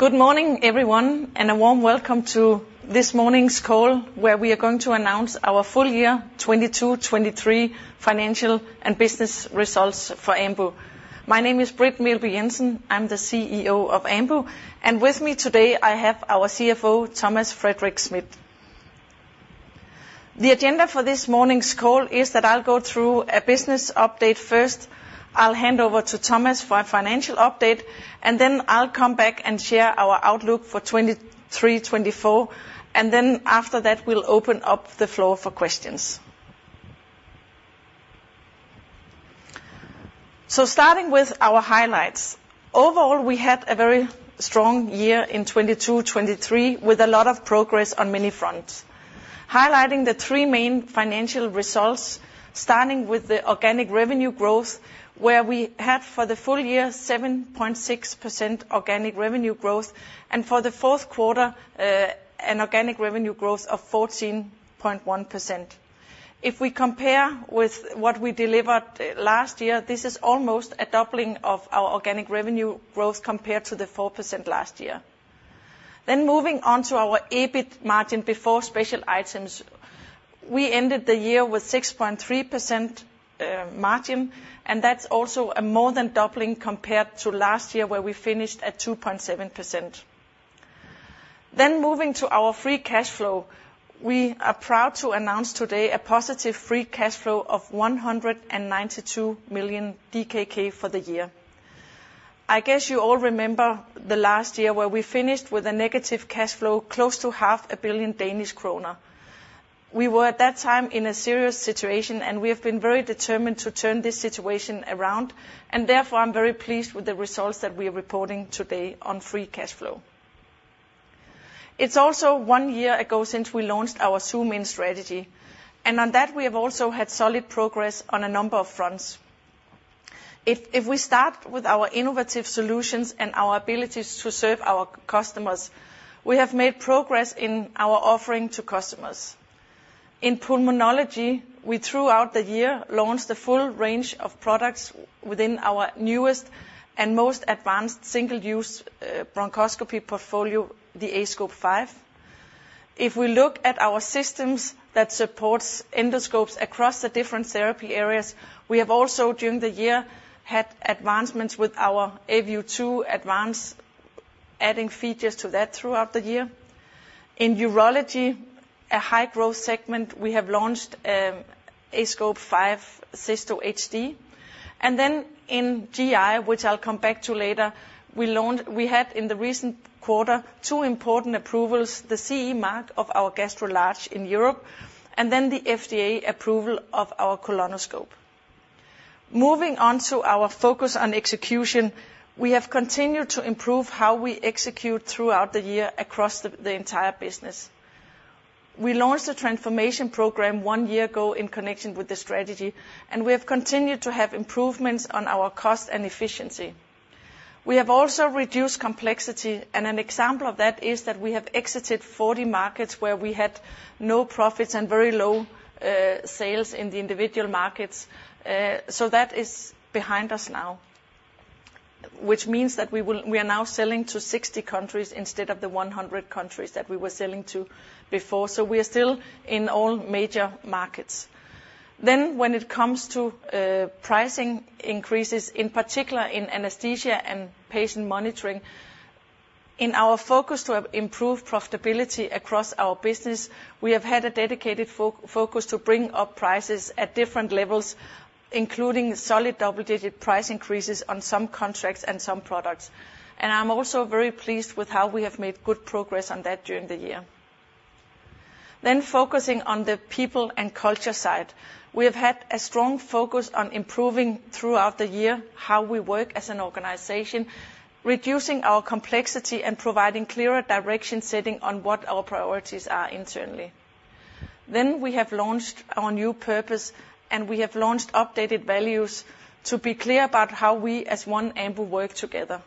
Good morning, everyone, and a warm welcome to this morning's call, where we are going to announce our full year 2022-2023 financial and business results for Ambu. My name is Britt Meelby Jensen, I'm the CEO of Ambu, and with me today, I have our CFO, Thomas Frederik Schmidt. The agenda for this morning's call is that I'll go through a business update first, I'll hand over to Thomas for a financial update, and then I'll come back and share our outlook for 2023-2024, and then after that, we'll open up the floor for questions. So starting with our highlights. Overall, we had a very strong year in 2022-2023, with a lot of progress on many fronts. Highlighting the three main financial results, starting with the organic revenue growth, where we had, for the full year, 7.6% organic revenue growth, and for the fourth quarter, an organic revenue growth of 14.1%. If we compare with what we delivered last year, this is almost a doubling of our organic revenue growth compared to the 4% last year. Then moving on to our EBIT margin before special items, we ended the year with 6.3% margin, and that's also a more than doubling compared to last year, where we finished at 2.7%. Then moving to our free cash flow, we are proud to announce today a positive free cash flow ofDKK 192 million for the year. I guess you all remember the last year, where we finished with a negative cash flow, close to 500 million Danish kroner. We were, at that time, in a serious situation, and we have been very determined to turn this situation around, and therefore, I'm very pleased with the results that we're reporting today on free cash flow. It's also one year ago since we launched our Zoom-in strategy, and on that, we have also had solid progress on a number of fronts. If we start with our innovative solutions and our abilities to serve our customers, we have made progress in our offering to customers. In Pulmonology, we, throughout the year, launched a full range of products within our newest and most advanced single-use bronchoscopy portfolio, the aScope 5. If we look at our systems that supports endoscopes across the different therapy areas, we have also, during the year, had advancements with our aView 2 Advance, adding features to that throughout the year. In urology, a high-growth segment, we have launched aScope 5 Cysto HD. Then in GI, which I'll come back to later, we launched—we had, in the recent quarter, two important approvals, the CE Mark of our Gastro Large in Europe, and then the FDA approval of our colonoscope. Moving on to our focus on execution, we have continued to improve how we execute throughout the year across the entire business. We launched a transformation program one year ago in connection with the strategy, and we have continued to have improvements on our cost and efficiency. We have also reduced complexity, and an example of that is that we have exited 40 markets where we had no profits and very low sales in the individual markets. So that is behind us now, which means that we are now selling to 60 countries instead of the 100 countries that we were selling to before, so we are still in all major markets. Then, when it comes to pricing increases, in particular in anesthesia and patient monitoring, in our focus to have improved profitability across our business, we have had a dedicated focus to bring up prices at different levels, including solid double-digit price increases on some contracts and some products, and I'm also very pleased with how we have made good progress on that during the year. Then, focusing on the people and culture side, we have had a strong focus on improving, throughout the year, how we work as an organization, reducing our complexity and providing clearer direction, setting on what our priorities are internally. Then, we have launched our new purpose, and we have launched updated values to be clear about how we, as one Ambu, work together.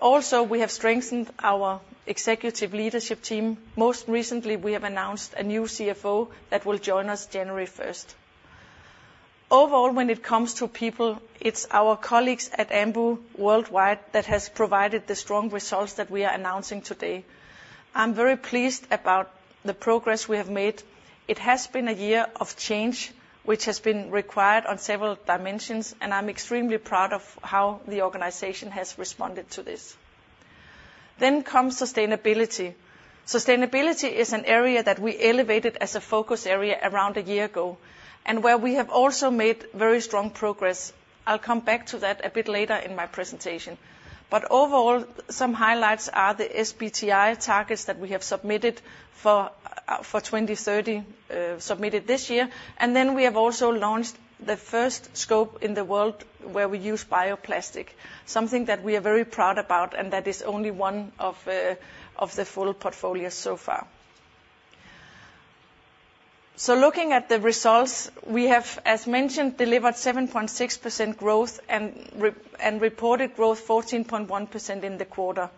Also, we have strengthened our executive leadership team. Most recently, we have announced a new CFO that will join us January 1st. Overall, when it comes to people, it's our colleagues at Ambu worldwide that has provided the strong results that we are announcing today. I'm very pleased about the progress we have made. It has been a year of change, which has been required on several dimensions, and I'm extremely proud of how the organization has responded to this. Then comes sustainability. Sustainability is an area that we elevated as a focus area around a year ago, and where we have also made very strong progress. I'll come back to that a bit later in my presentation. But overall, some highlights are the SBTi targets that we have submitted for 2030, submitted this year, and then we have also launched the first scope in the world where we use bioplastic, something that we are very proud about, and that is only one of, of the full portfolio so far. So looking at the results, we have, as mentioned, delivered 7.6% growth and reported growth 14.1% in the quarter.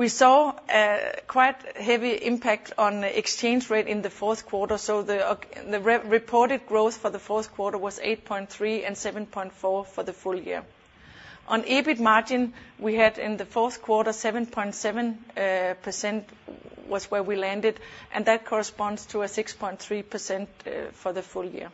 We saw a quite heavy impact on exchange rate in the fourth quarter, so the re-reported growth for the fourth quarter was 8.3, and 7.4 for the full year. On EBIT margin, we had in the fourth quarter 7.7% where we landed, and that corresponds to a 6.3% for the full year.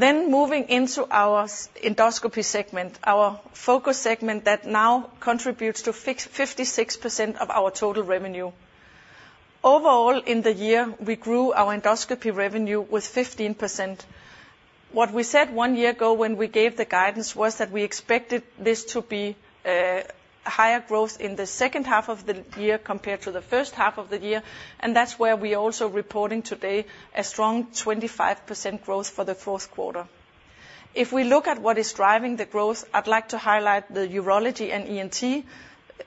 Then moving into our Endoscopy segment, our focus segment that now contributes to 56% of our total revenue. Overall, in the year, we grew our Endoscopy revenue with 15%. What we said one year ago when we gave the guidance was that we expected this to be higher growth in the second half of the year, compared to the first half of the year, and that's where we're also reporting today a strong 25% growth for the fourth quarter. If we look at what is driving the growth, I'd like to highlight the Urology and ENT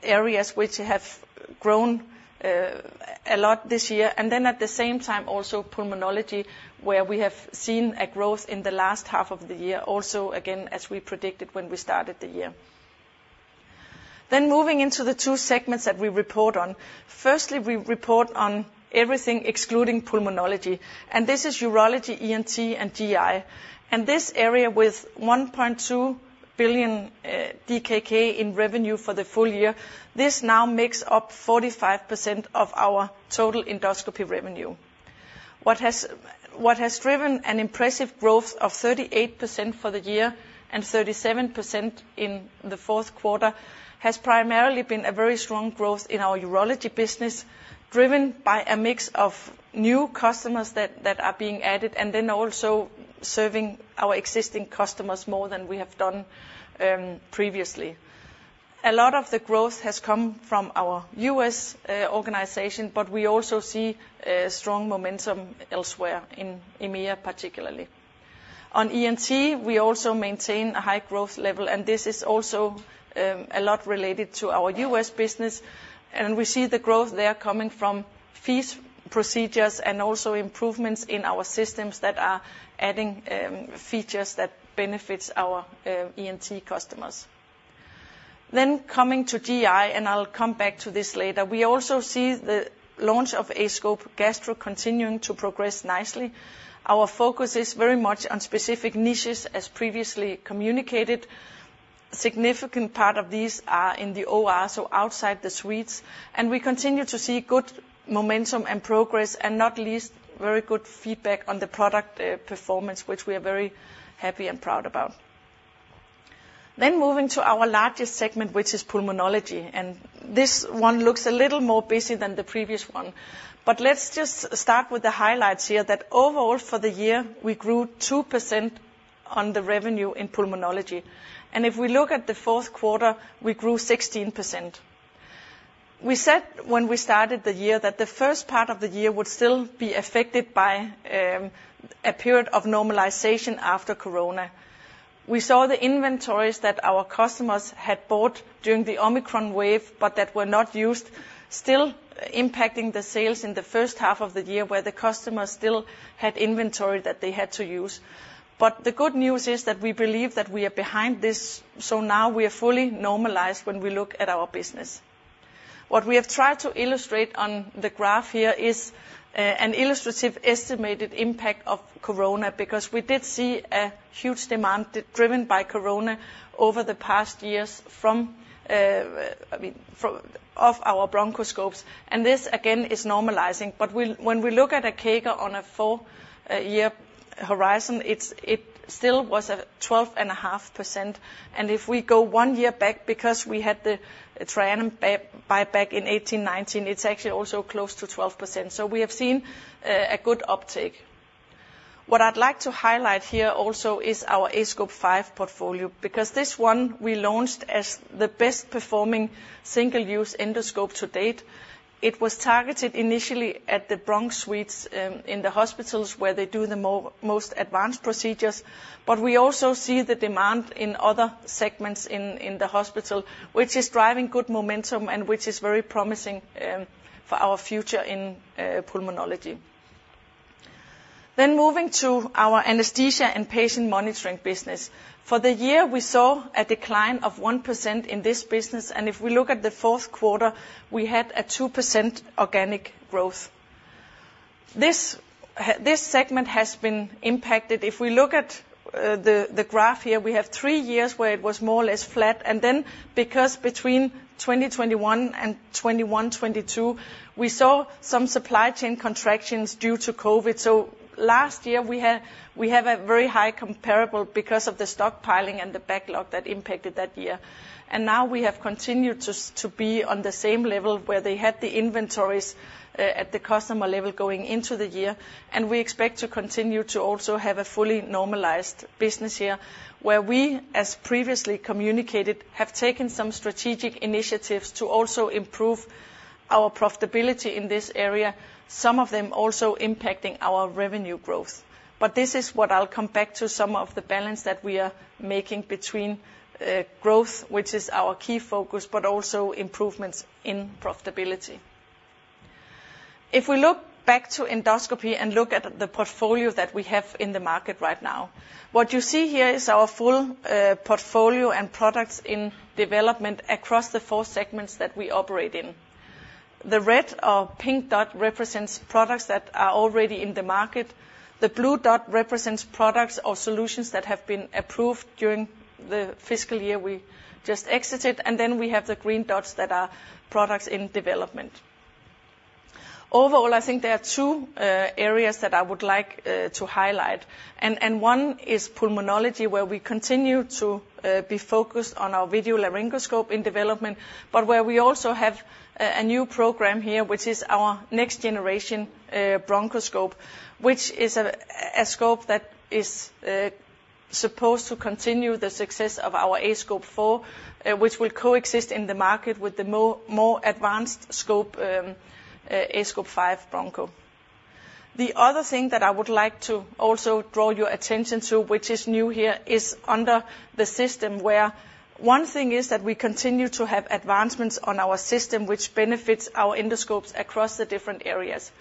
areas, which have grown a lot this year, and then at the same time, also Pulmonology, where we have seen a growth in the last half of the year, also, again, as we predicted when we started the year. Then moving into the two segments that we report on. Firstly, we report on everything excluding Pulmonology, and this is Urology, ENT, and GI. This area, with 1.2 billion DKK in revenue for the full year, this now makes up 45% of our total endoscopy revenue. What has, what has driven an impressive growth of 38% for the year, and 37% in the fourth quarter, has primarily been a very strong growth in our Urology business, driven by a mix of new customers that, that are being added, and then also serving our existing customers more than we have done, previously. A lot of the growth has come from our US organization, but we also see, a strong momentum elsewhere, in EMEA, particularly. On ENT, we also maintain a high growth level, and this is also a lot related to our U.S. business, and we see the growth there coming from fees, procedures, and also improvements in our systems that are adding features that benefits our ENT customers. Then coming to GI, and I'll come back to this later, we also see the launch of aScope Gastro continuing to progress nicely. Our focus is very much on specific niches, as previously communicated. Significant part of these are in the OR, so outside the suites, and we continue to see good momentum and progress, and not least, very good feedback on the product performance, which we are very happy and proud about. Then moving to our largest segment, which is Pulmonology, and this one looks a little more busy than the previous one. Let's just start with the highlights here, that overall for the year, we grew 2% on the revenue in Pulmonology, and if we look at the fourth quarter, we grew 16%. We said, when we started the year, that the first part of the year would still be affected by a period of normalization after Corona. We saw the inventories that our customers had bought during the Omicron wave, but that were not used, still impacting the sales in the first half of the year, where the customers still had inventory that they had to use. But the good news is, that we believe that we are behind this, so now we are fully normalized when we look at our business. What we have tried to illustrate on the graph here is an illustrative estimated impact of Corona, because we did see a huge demand driven by Corona over the past years from, I mean, our bronchoscopes, and this again is normalizing. But when we look at a CAGR on a 4-year horizon, it still was at 12.5%, and if we go 1 year back, because we had the Tri-Anim buyback in 2018, 2019, it's actually also close to 12%, so we have seen a good uptake. What I'd like to highlight here also is our aScope 5 portfolio, because this one we launched as the best performing single-use endoscope to date. It was targeted initially at the bronch suites in the hospitals, where they do the most advanced procedures, but we also see the demand in other segments in the hospital, which is driving good momentum, and which is very promising for our future in Pulmonology. Then moving to our anesthesia and patient monitoring business. For the year, we saw a decline of 1% in this business, and if we look at the fourth quarter, we had a 2% organic growth. This segment has been impacted. If we look at the graph here, we have three years where it was more or less flat, and then because between 2021 and 2021, 2022, we saw some supply chain contractions due to COVID, so last year we had... We have a very high comparable, because of the stockpiling and the backlog that impacted that year. And now we have continued to be on the same level, where they had the inventories at the customer level going into the year, and we expect to continue to also have a fully normalized business year, where we, as previously communicated, have taken some strategic initiatives to also improve our profitability in this area, some of them also impacting our revenue growth. This is what I'll come back to, some of the balance that we are making between growth, which is our key focus, but also improvements in profitability. If we look back to endoscopy, and look at the portfolio that we have in the market right now, what you see here is our full portfolio and products in development across the four segments that we operate in. The red or pink dot represents products that are already in the market. The blue dot represents products or solutions that have been approved during the fiscal year we just exited, and then we have the green dots that are products in development. Overall, I think there are two areas that I would like to highlight, and one is Pulmonology, where we continue to be focused on our video laryngoscope in development, but where we also have a new program here, which is our next generation bronchoscope, which is a scope that is supposed to continue the success of our aScope 4, which will coexist in the market with the more advanced scope, aScope 5 Broncho. The other thing that I would like to also draw your attention to, which is new here, is under the system where one thing is that we continue to have advancements on our system, which benefits our endoscopes across the different areas.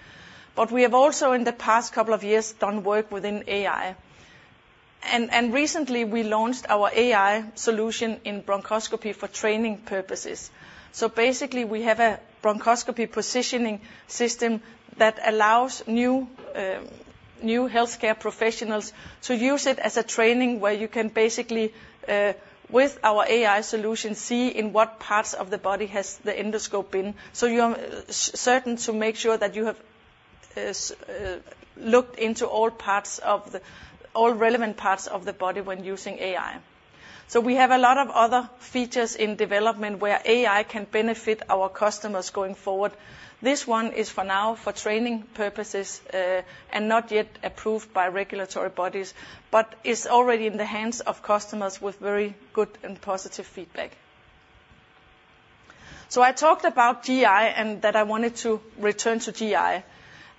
But we have also, in the past couple of years, done work within AI, and recently we launched our AI solution in bronchoscopy for training purposes. So basically, we have a bronchoscopy positioning system that allows new healthcare professionals to use it as a training, where you can basically, with our AI solution, see in what parts of the body has the endoscope been, so you are certain to make sure that you have looked into all relevant parts of the body when using AI. So we have a lot of other features in development, where AI can benefit our customers going forward. This one is for now, for training purposes, and not yet approved by regulatory bodies, but is already in the hands of customers with very good and positive feedback. So I talked about GI, and that I wanted to return to GI.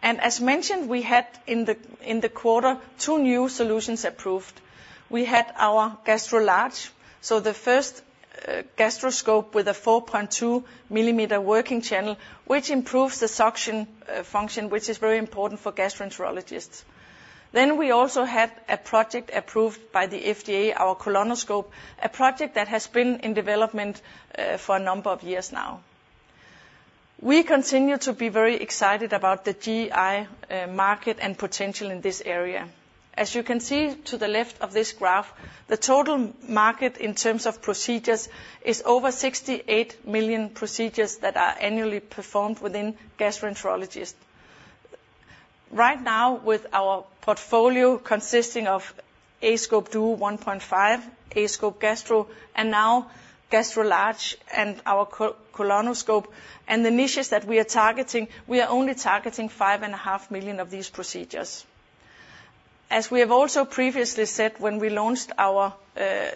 And as mentioned, we had in the, in the quarter, two new solutions approved. We had our Gastro Large, so the first, gastroscope with a 4.2 millimeter working channel, which improves the suction, function, which is very important for gastroenterologists. Then we also had a project approved by the FDA, our colonoscope, a project that has been in development, for a number of years now. We continue to be very excited about the GI, market and potential in this area. As you can see to the left of this graph, the total market in terms of procedures, is over 68 million procedures that are annually performed within gastroenterologists. Right now, with our portfolio consisting of aScope Duo 1.5, aScope Gastro, and now aScope Gastro Large, and our colonoscope, and the niches that we are targeting, we are only targeting 5.5 million of these procedures. As we have also previously said, when we launched our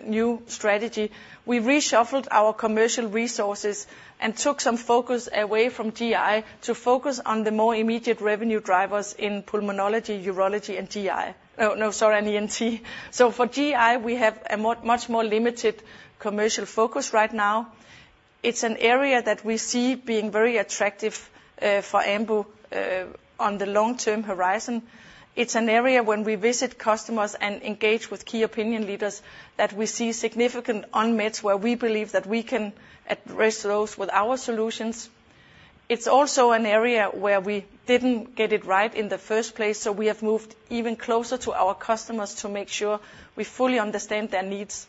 new strategy, we reshuffled our commercial resources, and took some focus away from GI to focus on the more immediate revenue drivers in Pulmonology, urology, and GI. No, sorry, and ENT. So for GI, we have a much more limited commercial focus right now. It's an area that we see being very attractive for Ambu on the long-term horizon. It's an area when we visit customers and engage with key opinion leaders, that we see significant unmet needs, where we believe that we can address those with our solutions. It's also an area where we didn't get it right in the first place, so we have moved even closer to our customers to make sure we fully understand their needs,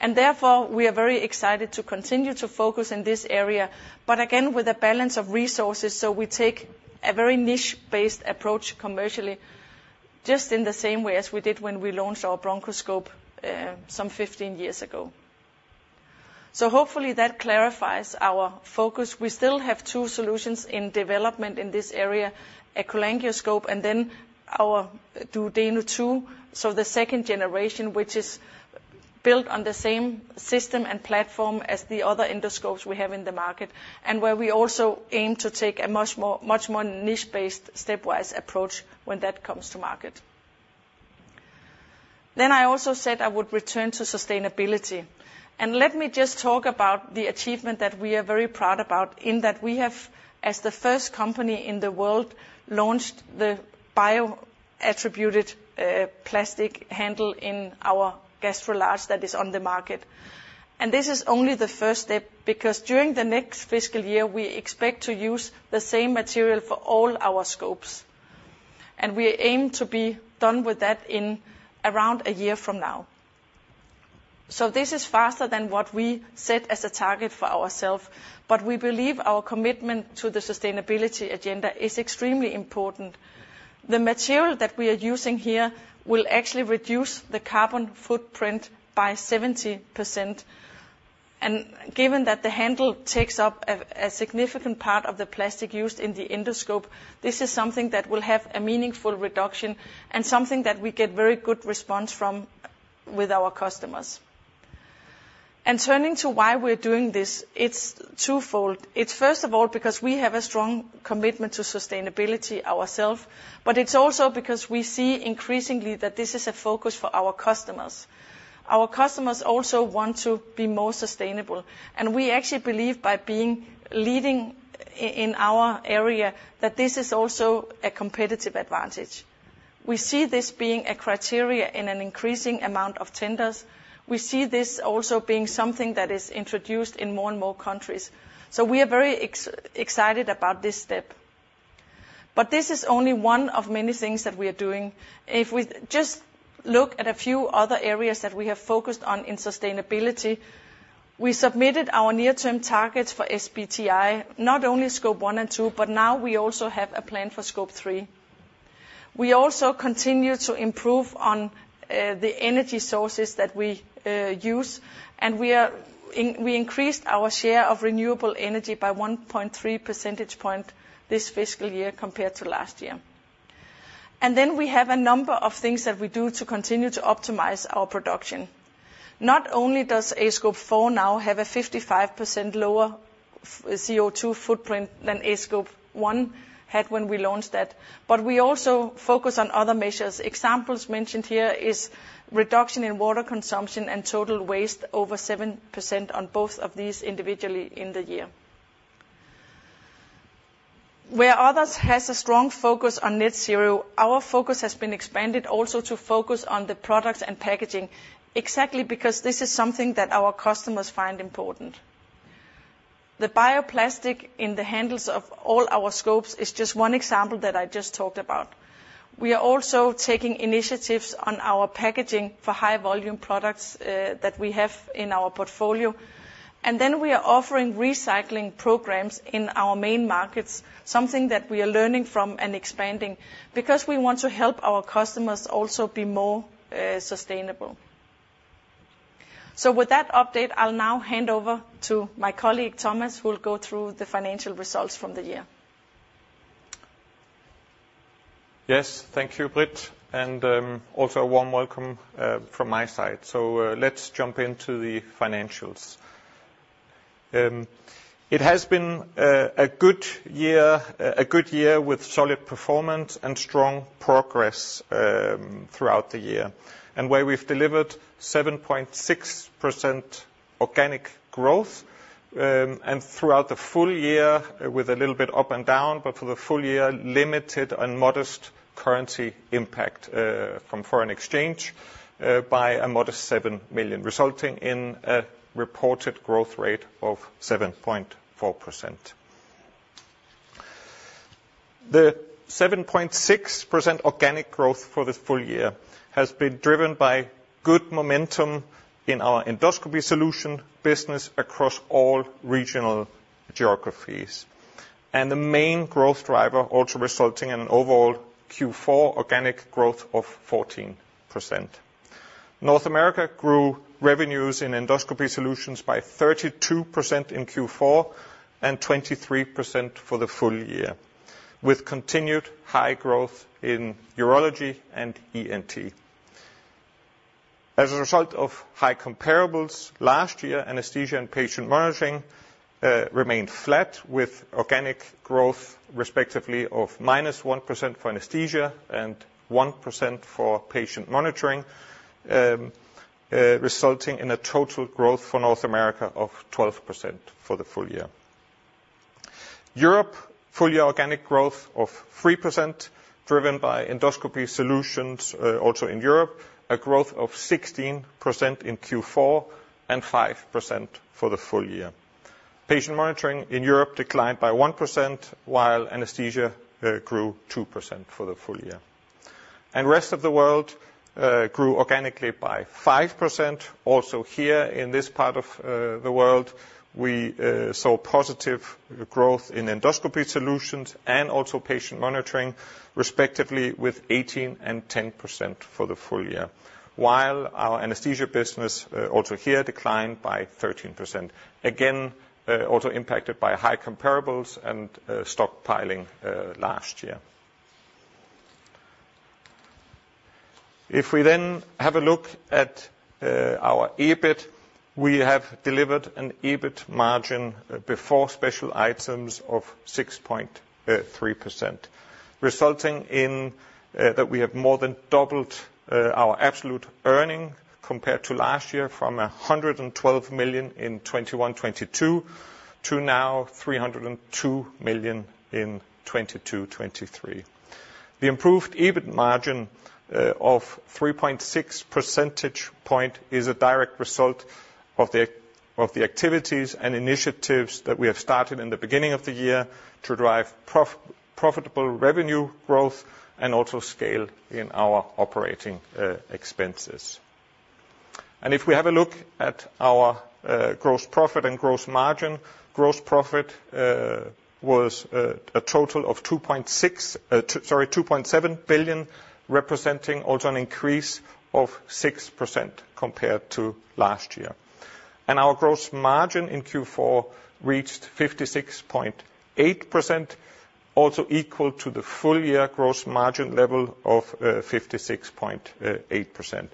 and therefore, we are very excited to continue to focus in this area. But again, with a balance of resources, so we take a very niche-based approach commercially, just in the same way as we did when we launched our bronchoscope, some 15 years ago. So hopefully, that clarifies our focus. We still have two solutions in development in this area, a cholangioscope, and then our Duodeno 2, so the second generation, which is built on the same system and platform as the other endoscopes we have in the market, and where we also aim to take a much more, much more niche-based, stepwise approach when that comes to market. Then I also said I would return to sustainability, and let me just talk about the achievement that we are very proud about, in that we have, as the first company in the world, launched the bio-attributed plastic handle in our Gastro Large that is on the market. And this is only the first step, because during the next fiscal year, we expect to use the same material for all our scopes, and we aim to be done with that in around a year from now. So this is faster than what we set as a target for ourself, but we believe our commitment to the sustainability agenda is extremely important. The material that we are using here will actually reduce the carbon footprint by 70%, and given that the handle takes up a significant part of the plastic used in the endoscope, this is something that will have a meaningful reduction, and something that we get very good response from with our customers. Turning to why we're doing this, it's twofold. It's first of all, because we have a strong commitment to sustainability ourselves, but it's also because we see increasingly that this is a focus for our customers. Our customers also want to be more sustainable, and we actually believe by being leading in our area, that this is also a competitive advantage. We see this being a criteria in an increasing amount of tenders. We see this also being something that is introduced in more and more countries. So we are very excited about this step. But this is only one of many things that we are doing. If we just look at a few other areas that we have focused on in sustainability, we submitted our near-term targets for SBTI, not only Scope 1 and 2, but now we also have a plan for Scope 3. We also continue to improve on the energy sources that we use, and we increased our share of renewable energy by 1.3 percentage points this fiscal year compared to last year. And then we have a number of things that we do to continue to optimize our production. Not only does aScope 4 now have a 55% lower CO2 footprint than aScope 1 had when we launched that, but we also focus on other measures. Examples mentioned here is reduction in water consumption and total waste, over 7% on both of these individually in the year. Where others has a strong focus on net zero, our focus has been expanded also to focus on the products and packaging, exactly because this is something that our customers find important. The bioplastic in the handles of all our scopes is just one example that I just talked about. We are also taking initiatives on our packaging for high volume products, that we have in our portfolio. And then we are offering recycling programs in our main markets, something that we are learning from and expanding, because we want to help our customers also be more sustainable. So with that update, I'll now hand over to my colleague, Thomas, who will go through the financial results from the year. Yes, thank you, Britt, and also a warm welcome from my side. So, let's jump into the financials. It has been a good year, a good year with solid performance and strong progress throughout the year. And where we've delivered 7.6% organic growth and throughout the full year, with a little bit up and down, but for the full year, limited and modest currency impact from foreign exchange by a modest 7 million, resulting in a reported growth rate of 7.4%. The 7.6% organic growth for the full year has been driven by good momentum in our endoscopy solution business across all regional geographies, and the main growth driver also resulting in an overall Q4 organic growth of 14%. North America grew revenues in endoscopy solutions by 32% in Q4, and 23% for the full year, with continued high growth in urology and ENT. As a result of high comparables last year, anesthesia and patient monitoring remained flat, with organic growth, respectively, of -1% for anesthesia and 1% for patient monitoring, resulting in a total growth for North America of 12% for the full year. Europe full year organic growth of 3%, driven by endoscopy solutions, also in Europe a growth of 16% in Q4, and 5% for the full year. Patient monitoring in Europe declined by 1%, while anesthesia grew 2% for the full year. Rest of the world grew organically by 5%. Also here, in this part of the world, we saw positive growth in endoscopy solutions and also patient monitoring, respectively, with 18% and 10% for the full year, while our anesthesia business also here declined by 13%. Again, also impacted by high comparables and stockpiling last year. If we then have a look at our EBIT, we have delivered an EBIT margin before special items of 6.3%, resulting in that we have more than doubled our absolute earnings compared to last year from 112 million in 2021-2022, to now 302 million in 2022-2023. The improved EBIT margin of 3.6 percentage points is a direct result of the activities and initiatives that we have started in the beginning of the year to drive profitable revenue growth and also scale in our operating expenses. If we have a look at our gross profit and gross margin, gross profit was a total of 2.7 billion, representing also an increase of 6% compared to last year. Our gross margin in Q4 reached 56.8%, also equal to the full year gross margin level of 56.8%.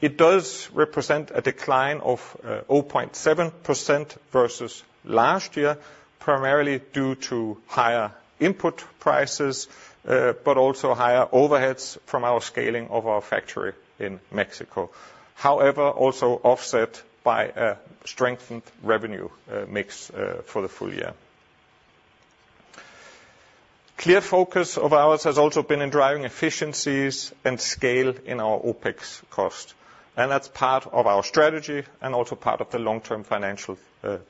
It does represent a decline of 0.7% versus last year, primarily due to higher input prices, but also higher overheads from our scaling of our factory in Mexico. However, also offset by a strengthened revenue mix for the full year. Clear focus of ours has also been in driving efficiencies and scale in our OpEx cost, and that's part of our strategy, and also part of the long-term financial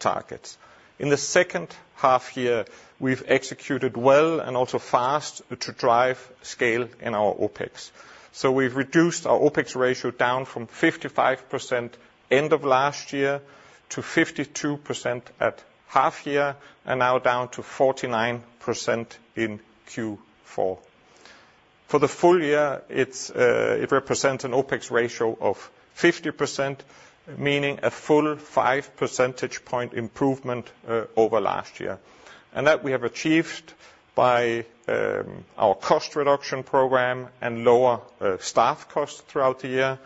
targets. In the second half year, we've executed well and also fast to drive scale in our OpEx. So we've reduced our OpEx ratio down from 55% end of last year, to 52% at half year, and now down to 49% in Q4. For the full year, it's, it represents an OpEx ratio of 50%, meaning a full 5 percentage point improvement over last year. That we have achieved by our cost reduction program and lower staff costs throughout the year,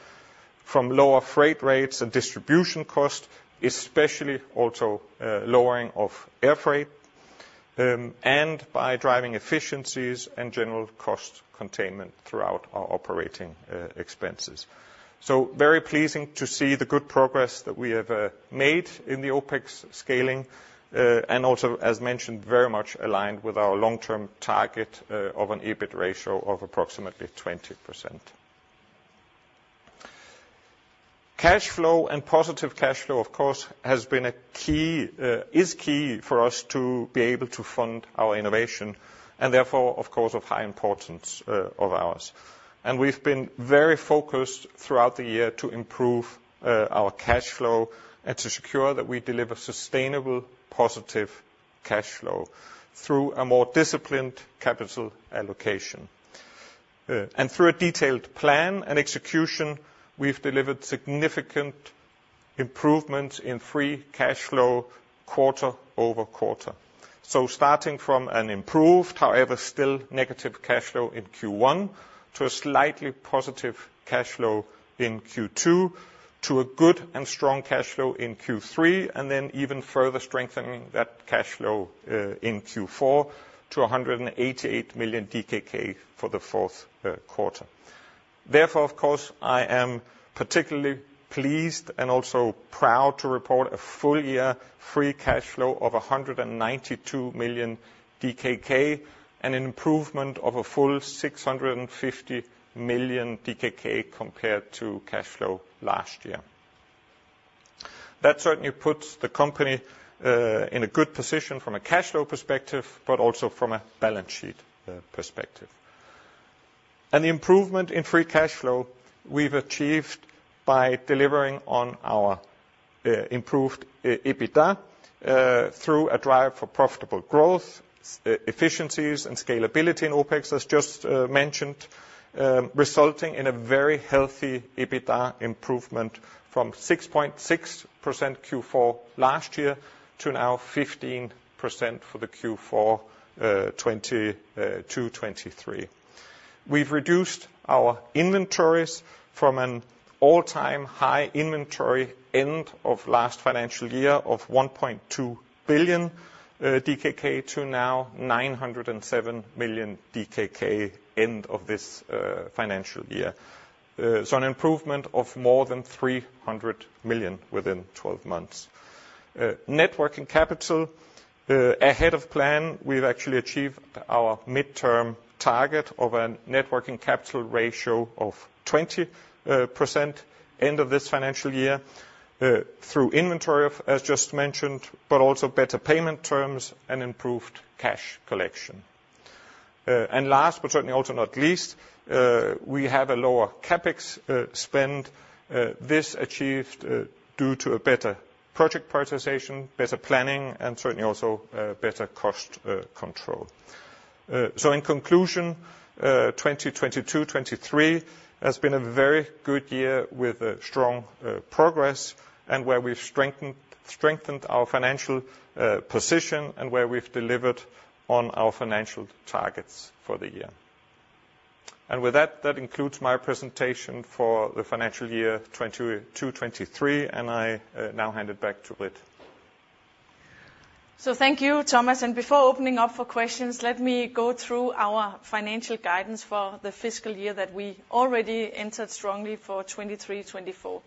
from lower freight rates and distribution costs, especially also lowering of air freight, and by driving efficiencies and general cost containment throughout our operating expenses. Very pleasing to see the good progress that we have made in the OpEx scaling, and also, as mentioned, very much aligned with our long-term target of an EBIT ratio of approximately 20%. Cash flow and positive cash flow, of course, has been a key, is key for us to be able to fund our innovation, and therefore, of course, of high importance of ours. We've been very focused throughout the year to improve our cash flow, and to secure that we deliver sustainable, positive cash flow through a more disciplined capital allocation. Through a detailed plan and execution, we've delivered significant improvements in free cash flow quarter-over-quarter. Starting from an improved, however, still negative cash flow in Q1, to a slightly positive cash flow in Q2, to a good and strong cash flow in Q3, and then even further strengthening that cash flow in Q4 to 188 million DKK for the fourth quarter. Therefore, of course, I am particularly pleased and also proud to report a full year free cash flow of 192 million DKK, and an improvement of a full 650 million DKK compared to cash flow last year. That certainly puts the company in a good position from a cash flow perspective, but also from a balance sheet perspective. The improvement in free cash flow we've achieved by delivering on our improved EBITDA through a drive for profitable growth, efficiencies, and scalability in OpEx, as just mentioned, resulting in a very healthy EBITDA improvement from 6.6% Q4 last year, to now 15% for the Q4 2022-2023. We've reduced our inventories from an all-time high inventory end of last financial year of 1.2 billion DKK, to now 907 million DKK end of this financial year. So an improvement of more than 300 million within 12 months. Net working capital ahead of plan. We've actually achieved our midterm target of a net working capital ratio of 20% end of this financial year through inventory, as just mentioned, but also better payment terms and improved cash collection. And last, but certainly also not least, we have a lower CapEx spend. This achieved due to a better project prioritization, better planning, and certainly also better cost control. So in conclusion, 2022-2023 has been a very good year with strong progress, and where we've strengthened our financial position, and where we've delivered on our financial targets for the year. And with that, that concludes my presentation for the financial year 2022-23, and I now hand it back to Britt. So thank you, Thomas, and before opening up for questions, let me go through our financial guidance for the fiscal year that we already entered strongly for 2023-2024.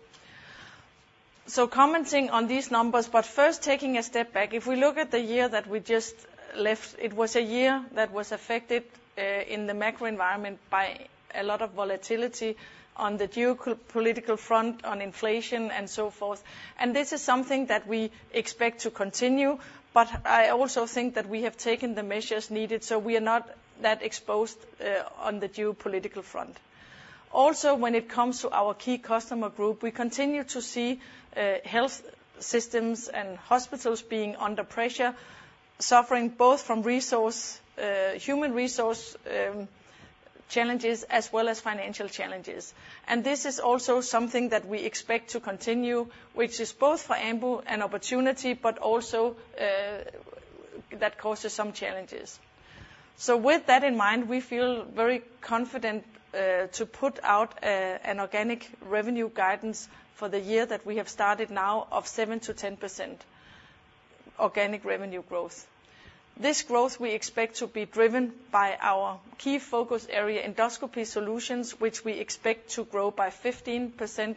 So commenting on these numbers, but first taking a step back, if we look at the year that we just left, it was a year that was affected in the macro environment by a lot of volatility on the geopolitical front, on inflation, and so forth. And this is something that we expect to continue, but I also think that we have taken the measures needed, so we are not that exposed on the geopolitical front. Also, when it comes to our key customer group, we continue to see health systems and hospitals being under pressure, suffering both from resource human resource challenges as well as financial challenges. This is also something that we expect to continue, which is both for Ambu an opportunity, but also, that causes some challenges. So with that in mind, we feel very confident, to put out, an organic revenue guidance for the year that we have started now of 7%-10% organic revenue growth. This growth we expect to be driven by our key focus area, endoscopy solutions, which we expect to grow by 15%.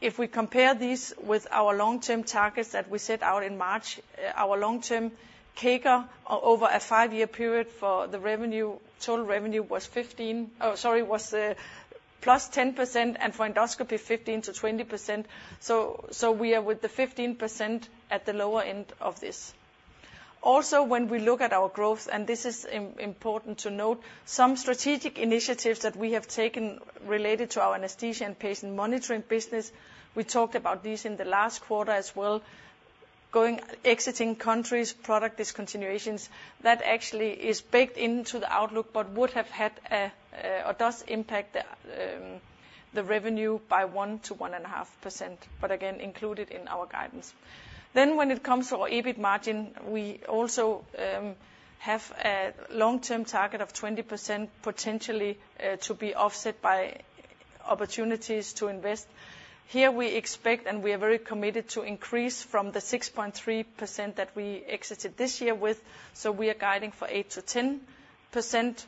If we compare these with our long-term targets that we set out in March, our long-term CAGR over a five-year period for the revenue, total revenue was 15, oh, sorry, was, +10%, and for endoscopy, 15%-20%. So, so we are with the 15% at the lower end of this. Also, when we look at our growth, and this is important to note, some strategic initiatives that we have taken related to our anesthesia and patient monitoring business, we talked about this in the last quarter as well, exiting countries, product discontinuations, that actually is baked into the outlook, but would have had a or does impact the revenue by 1%-1.5%, but again, included in our guidance. Then when it comes to our EBIT margin, we also have a long-term target of 20%, potentially to be offset by opportunities to invest. Here we expect, and we are very committed to increase from the 6.3% that we exited this year with, so we are guiding for 8%-10%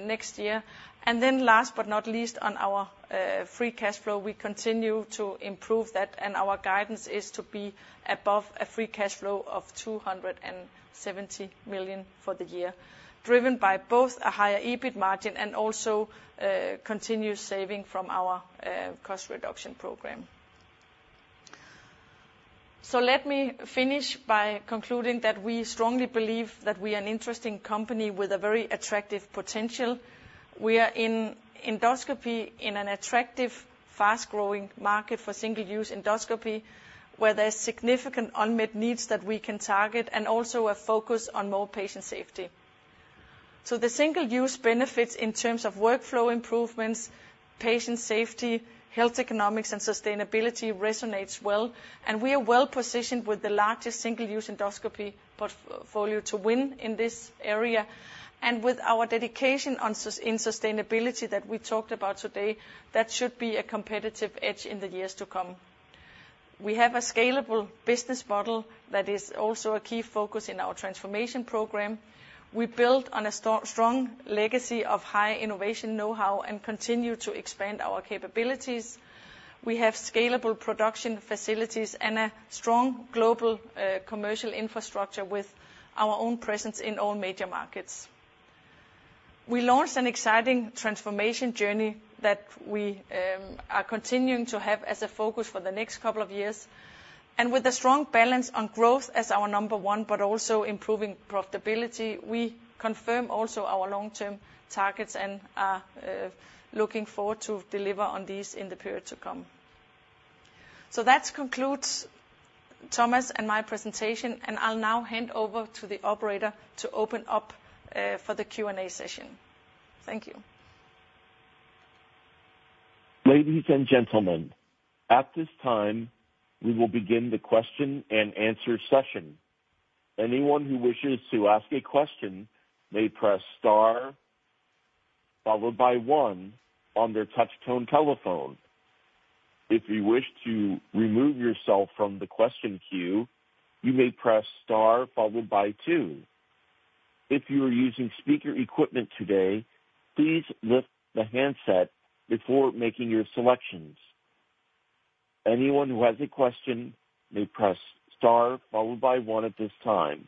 next year. And then last but not least, on our free cash flow, we continue to improve that, and our guidance is to be above a free cash flow of 270 million for the year, driven by both a higher EBIT margin and also continuous saving from our cost reduction program. So let me finish by concluding that we strongly believe that we are an interesting company with a very attractive potential. We are in endoscopy in an attractive, fast-growing market for single-use endoscopy, where there's significant unmet needs that we can target, and also a focus on more patient safety. So the single-use benefits in terms of workflow improvements, patient safety, health economics, and sustainability resonates well, and we are well positioned with the largest single-use endoscopy portfolio to win in this area. With our dedication on sustainability that we talked about today, that should be a competitive edge in the years to come. We have a scalable business model that is also a key focus in our transformation program. We build on a strong legacy of high innovation know-how and continue to expand our capabilities. We have scalable production facilities and a strong global commercial infrastructure with our own presence in all major markets. We launched an exciting transformation journey that we are continuing to have as a focus for the next couple of years. With a strong balance on growth as our number one, but also improving profitability, we confirm also our long-term targets and are looking forward to deliver on these in the period to come. So that concludes Thomas and my presentation, and I'll now hand over to the operator to open up for the Q&A session. Thank you. Ladies and gentlemen, at this time, we will begin the question and answer session. Anyone who wishes to ask a question may press star followed by one on their touch tone telephone. If you wish to remove yourself from the question queue, you may press star followed by two. If you are using speaker equipment today, please lift the handset before making your selections. Anyone who has a question may press star followed by one at this time.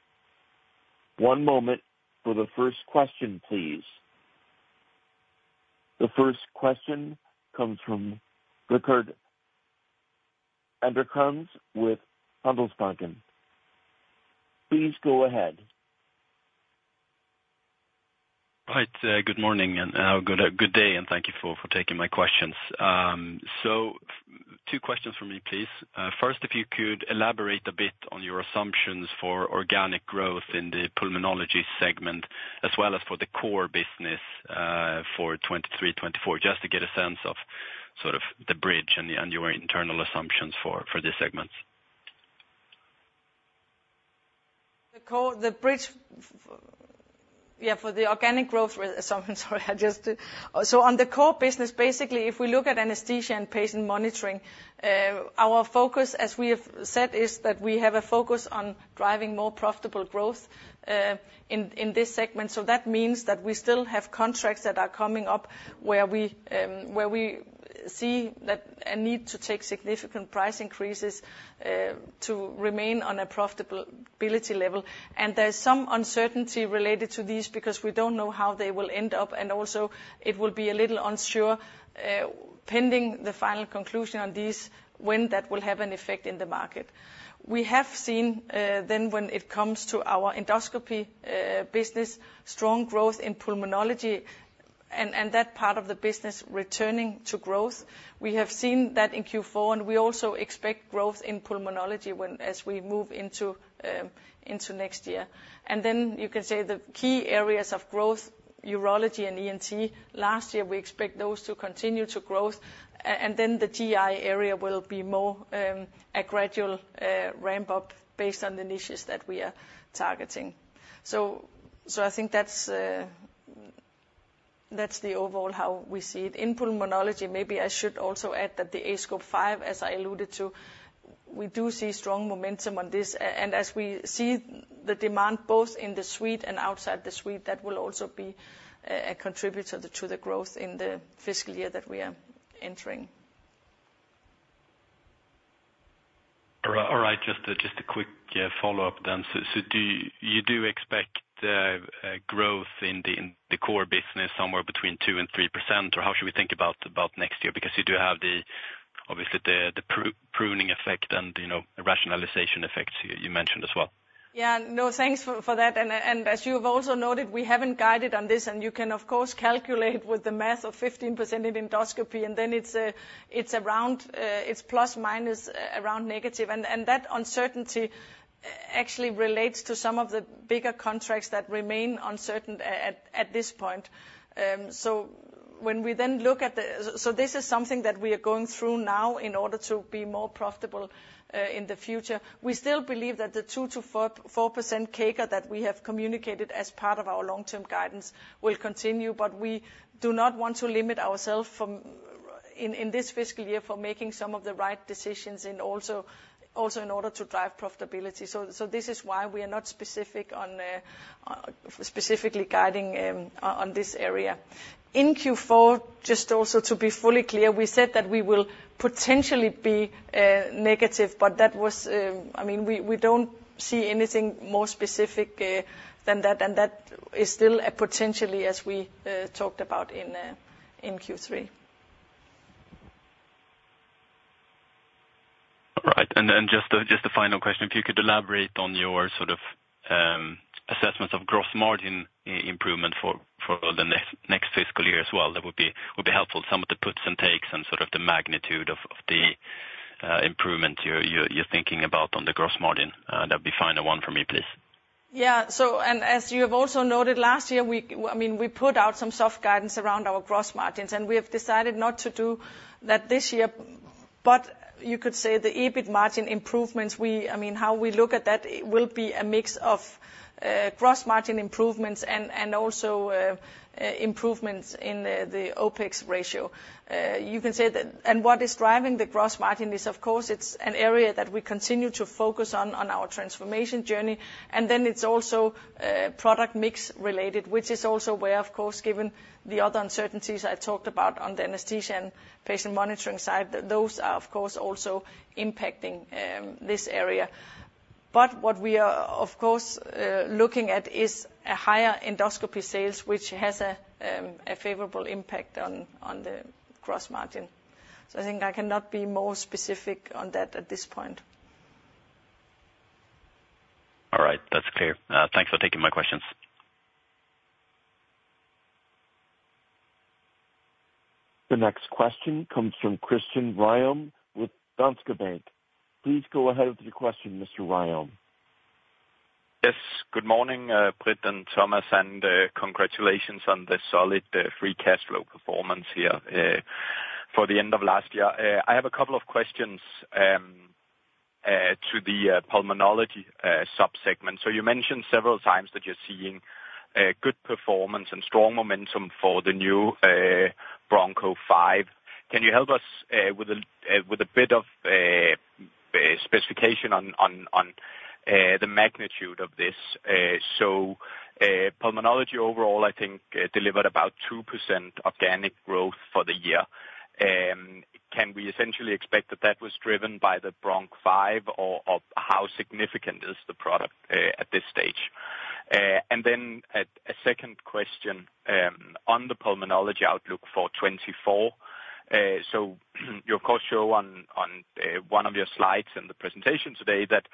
One moment for the first question, please. The first question comes from Rickard Anderkrans with Handelsbanken. Please go ahead. Hi, good morning, and, good, good day, and thank you for, for taking my questions. So two questions from me, please. First, if you could elaborate a bit on your assumptions for organic growth in the Pulmonology segment, as well as for the core business, for 2023, 2024, just to get a sense of sort of the bridge and, and your internal assumptions for, for these segments. For the organic growth assumption. So on the core business, basically, if we look at anesthesia and patient monitoring, our focus, as we have said, is that we have a focus on driving more profitable growth in this segment. So that means that we still have contracts that are coming up where we see a need to take significant price increases to remain on a profitability level. And there's some uncertainty related to these, because we don't know how they will end up, and also it will be a little unsure, pending the final conclusion on these, when that will have an effect in the market. We have seen, then when it comes to our endoscopy business, strong growth in Pulmonology and that part of the business returning to growth. We have seen that in Q4, and we also expect growth in Pulmonology when, as we move into, into next year. And then you can say the key areas of growth, urology and ENT, last year, we expect those to continue to growth. And then the GI area will be more, a gradual, ramp-up based on the niches that we are targeting. So, I think that's, that's the overall how we see it. In Pulmonology, maybe I should also add that the aScope 5, as I alluded to... we do see strong momentum on this. As we see the demand, both in the suite and outside the suite, that will also be a contributor to the growth in the fiscal year that we are entering. All right, just a quick follow-up then. So, do you expect growth in the core business somewhere between 2%-3%, or how should we think about next year? Because you do have, obviously, the pruning effect and, you know, the rationalization effects you mentioned as well. Yeah. No, thanks for that. And as you have also noted, we haven't guided on this, and you can, of course, calculate with the math of 15% in endoscopy, and then it's around, it's plus, minus, around negative. And that uncertainty actually relates to some of the bigger contracts that remain uncertain at this point. So when we then look at the. So this is something that we are going through now in order to be more profitable in the future. We still believe that the 2%-4.4% CAGR that we have communicated as part of our long-term guidance will continue, but we do not want to limit ourself from, in this fiscal year for making some of the right decisions, and also in order to drive profitability. So, so this is why we are not specific on, on specifically guiding on this area. In Q4, just also to be fully clear, we said that we will potentially be negative, but that was... I mean, we, we don't see anything more specific than that, and that is still a potentially, as we talked about in, in Q3. All right. And then just a final question. If you could elaborate on your sort of assessments of gross margin improvement for the next fiscal year as well, that would be helpful. Some of the puts and takes and sort of the magnitude of the improvement you're thinking about on the gross margin. That'd be final one for me, please. Yeah. So, as you have also noted, last year, we, I mean, we put out some soft guidance around our gross margins, and we have decided not to do that this year. But you could say the EBIT margin improvements, I mean, how we look at that, it will be a mix of gross margin improvements and also improvements in the OpEx ratio. You can say that. And what is driving the gross margin is, of course, it's an area that we continue to focus on, on our transformation journey, and then it's also product mix related, which is also where, of course, given the other uncertainties I talked about on the anesthesia and patient monitoring side, those are, of course, also impacting this area. What we are, of course, looking at is a higher endoscopy sales, which has a favorable impact on the gross margin. I think I cannot be more specific on that at this point. All right. That's clear. Thanks for taking my questions. The next question comes from Christian Ryom with Danske Bank. Please go ahead with your question, Mr. Ryom. Yes. Good morning, Britt and Thomas, and congratulations on the solid free cash flow performance here for the end of last year. I have a couple of questions to the Pulmonology sub-segment. So you mentioned several times that you're seeing good performance and strong momentum for the new Broncho 5. Can you help us with a bit of specification on the magnitude of this? So Pulmonology overall, I think, delivered about 2% organic growth for the year. Can we essentially expect that that was driven by the Broncho 5, or how significant is the product at this stage? And then a second question on the Pulmonology outlook for 2024. So you, of course, show on one of your slides in the presentation today that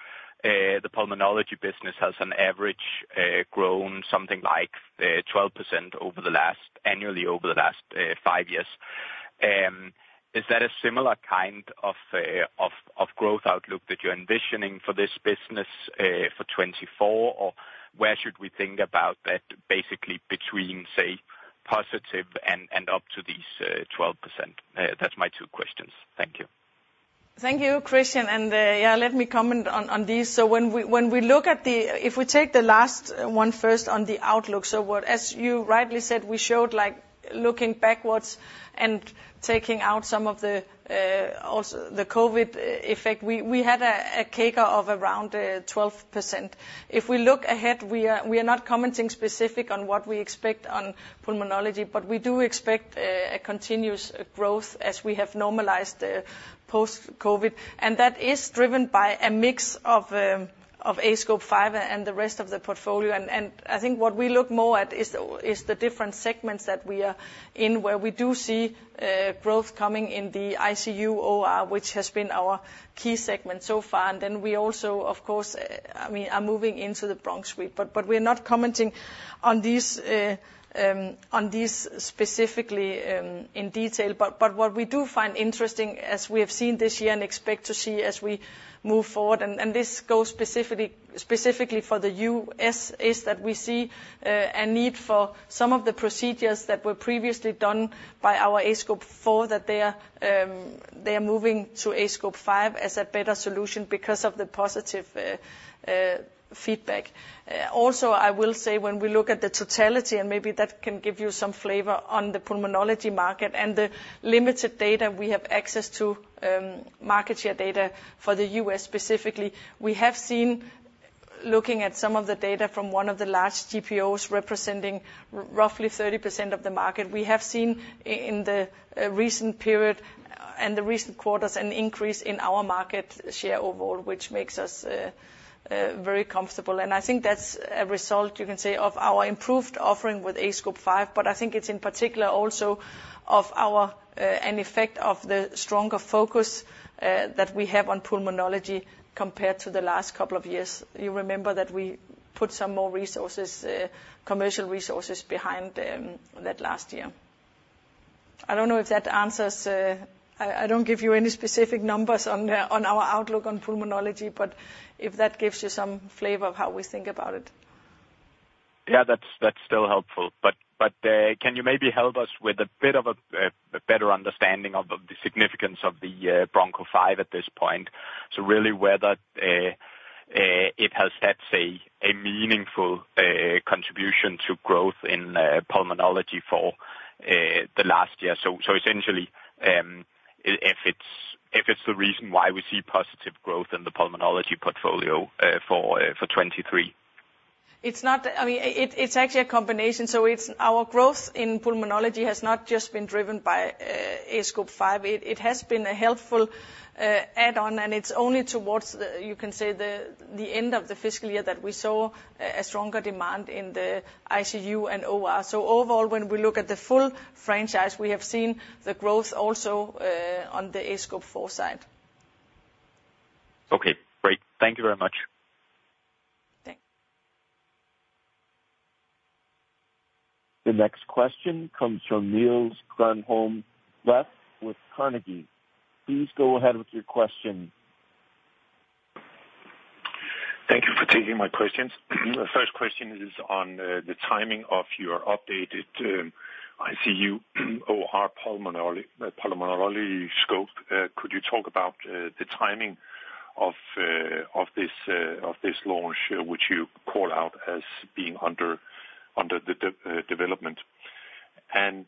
the Pulmonology business has on average grown something like 12% annually over the last five years. Is that a similar kind of growth outlook that you're envisioning for this business for 2024, or where should we think about that, basically between, say, positive and up to these 12%? That's my two questions. Thank you. Thank you, Christian. And, yeah, let me comment on these. So when we look at the. If we take the last one first on the outlook, so what, as you rightly said, we showed, like, looking backwards and taking out some of the, also the COVID effect, we had a CAGR of around 12%. If we look ahead, we are not commenting specifically on what we expect on Pulmonology, but we do expect a continuous growth as we have normalized post-COVID, and that is driven by a mix of aScope 5 and the rest of the portfolio. And I think what we look more at is the different segments that we are in, where we do see growth coming in the ICU, OR, which has been our key segment so far. And then we also, of course, I mean, are moving into the Bronch suite. But, but we're not commenting on these, on these specifically, in detail. But, but what we do find interesting, as we have seen this year and expect to see as we move forward, and, and this goes specifically, specifically for the US, is that we see a need for some of the procedures that were previously done by our aScope 4, that they are, they are moving to aScope 5 as a better solution because of the positive feedback. Also, I will say, when we look at the totality, and maybe that can give you some flavor on the Pulmonology market and the limited data we have access to, market share data for the US specifically, we have seen-... Looking at some of the data from one of the large GPOs representing roughly 30% of the market, we have seen in the recent period and the recent quarters, an increase in our market share overall, which makes us very comfortable. And I think that's a result, you can say, of our improved offering with aScope 5, but I think it's in particular also an effect of the stronger focus that we have on Pulmonology compared to the last couple of years. You remember that we put some more resources, commercial resources behind that last year. I don't know if that answers. I don't give you any specific numbers on the on our outlook on Pulmonology, but if that gives you some flavor of how we think about it. Yeah, that's, that's still helpful. But, can you maybe help us with a bit of a better understanding of the significance of the Broncho 5 at this point? So really whether it has had, say, a meaningful contribution to growth in Pulmonology for the last year. So, so essentially, if it's, if it's the reason why we see positive growth in the Pulmonology portfolio for 2023. It's not, I mean, it's actually a combination, so it's our growth in Pulmonology has not just been driven by aScope 5. It has been a helpful add-on, and it's only towards the, you can say, the end of the fiscal year that we saw a stronger demand in the ICU and OR. So overall, when we look at the full franchise, we have seen the growth also on the aScope 4 side. Okay, great. Thank you very much. Thanks. The next question comes from Niels Granholm-Leth with Carnegie. Please go ahead with your question. Thank you for taking my questions. The first question is on the timing of your updated ICU, OR Pulmonology scope. Could you talk about the timing of this launch, which you call out as being under development? And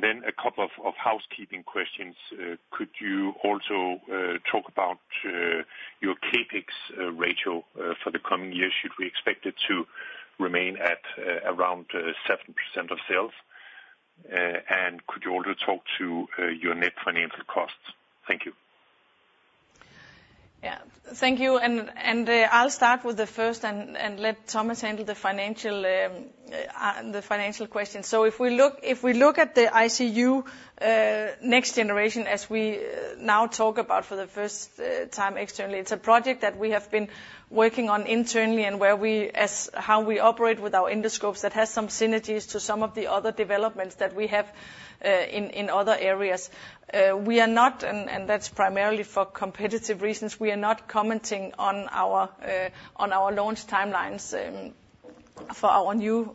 then a couple of housekeeping questions. Could you also talk about your CapEx ratio for the coming year? Should we expect it to remain at around 7% of sales? And could you also talk to your net financial costs? Thank you. Yeah. Thank you, and I'll start with the first and let Thomas handle the financial question. So if we look at the ICU next generation, as we now talk about for the first time externally, it's a project that we have been working on internally and where we as how we operate with our endoscopes, that has some synergies to some of the other developments that we have in other areas. We are not, and that's primarily for competitive reasons, we are not commenting on our launch timelines for our new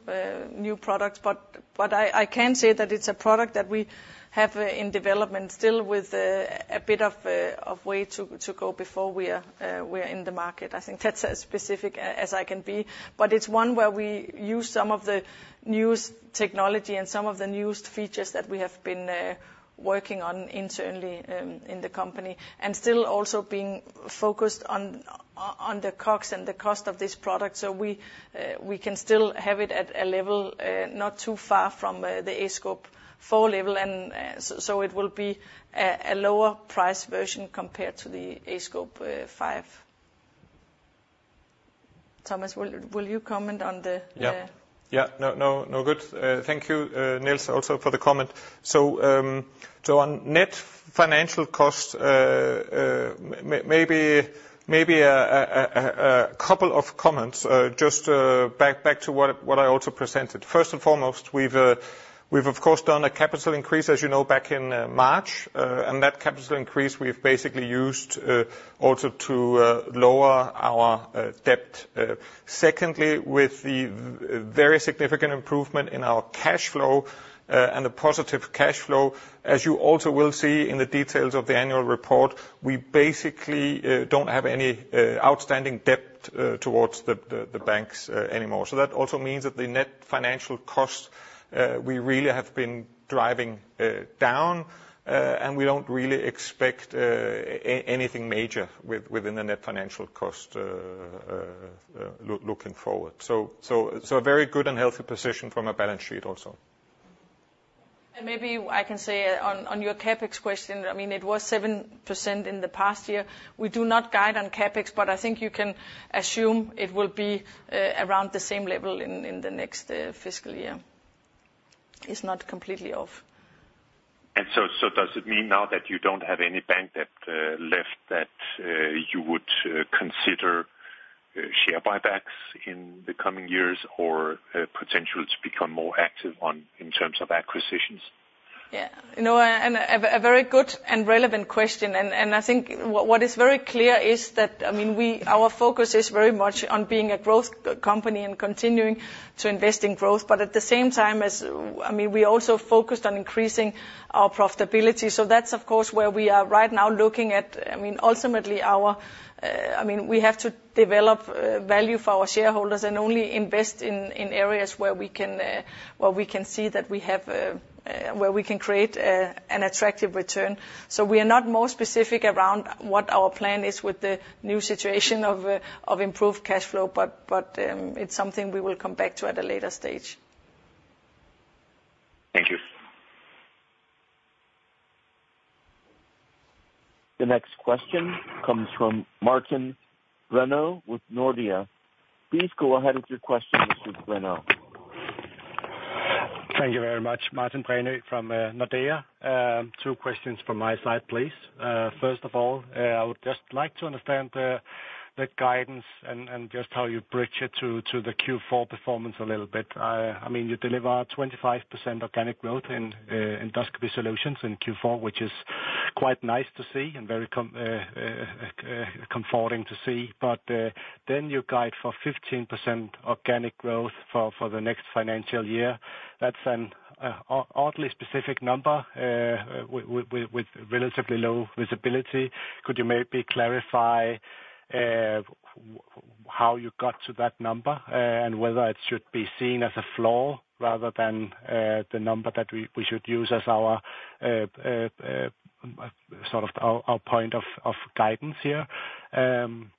products. But I can say that it's a product that we have in development still with a bit of way to go before we are in the market. I think that's as specific as I can be, but it's one where we use some of the newest technology and some of the newest features that we have been working on internally in the company, and still also being focused on the costs and the cost of this product. So we can still have it at a level not too far from the aScope 4 level, and so it will be a lower price version compared to the aScope 5. Thomas, will you comment on the Yeah. Yeah. No, no, no, good. Thank you, Nils, also for the comment. So, on net financial costs, maybe a couple of comments, just back to what I also presented. First and foremost, we've of course done a capital increase, as you know, back in March, and that capital increase we've basically used also to lower our debt. Secondly, with the very significant improvement in our cash flow, and the positive cash flow, as you also will see in the details of the annual report, we basically don't have any outstanding debt towards the banks anymore. So that also means that the net financial costs, we really have been driving down, and we don't really expect anything major within the net financial cost, looking forward. So a very good and healthy position from a balance sheet also. Maybe I can say on your CapEx question, I mean, it was 7% in the past year. We do not guide on CapEx, but I think you can assume it will be around the same level in the next fiscal year. It's not completely off. So, does it mean now that you don't have any bank debt left that you would consider share buybacks in the coming years, or potential to become more active on in terms of acquisitions? Yeah. No, a very good and relevant question, and I think what is very clear is that, I mean, our focus is very much on being a growth company and continuing to invest in growth, but at the same time, I mean, we also focused on increasing our profitability. So that's, of course, where we are right now looking at, I mean, ultimately our... I mean, we have to develop value for our shareholders and only invest in areas where we can see that we can create an attractive return. So we are not more specific around what our plan is with the new situation of improved cash flow, but it's something we will come back to at a later stage.... Thank you. The next question comes from Martin Brenøe with Nordea. Please go ahead with your question, Mr. Brenøe. Thank you very much, Martin Brenøe from Nordea. Two questions from my side, please. First of all, I would just like to understand the guidance and just how you bridge it to the Q4 performance a little bit. I mean, you deliver 25% organic growth in endoscopy solutions in Q4, which is quite nice to see and very comforting to see. But then you guide for 15% organic growth for the next financial year. That's an oddly specific number with relatively low visibility. Could you maybe clarify how you got to that number and whether it should be seen as a flaw rather than the number that we should use as our sort of our point of guidance here? Then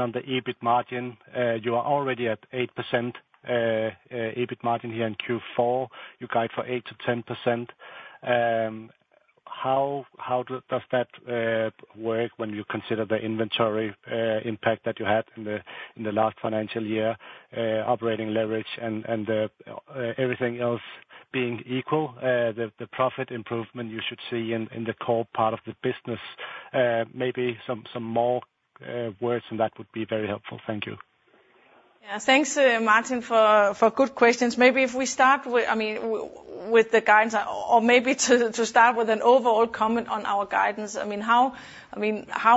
on the EBIT margin, you are already at 8%, EBIT margin here in Q4. You guide for 8%-10%. How does that work when you consider the inventory impact that you had in the last financial year, operating leverage and everything else being equal, the profit improvement you should see in the core part of the business? Maybe some more words on that would be very helpful. Thank you. Yeah, thanks, Martin, for good questions. Maybe if we start with, I mean, with the guidance or maybe to start with an overall comment on our guidance. I mean, how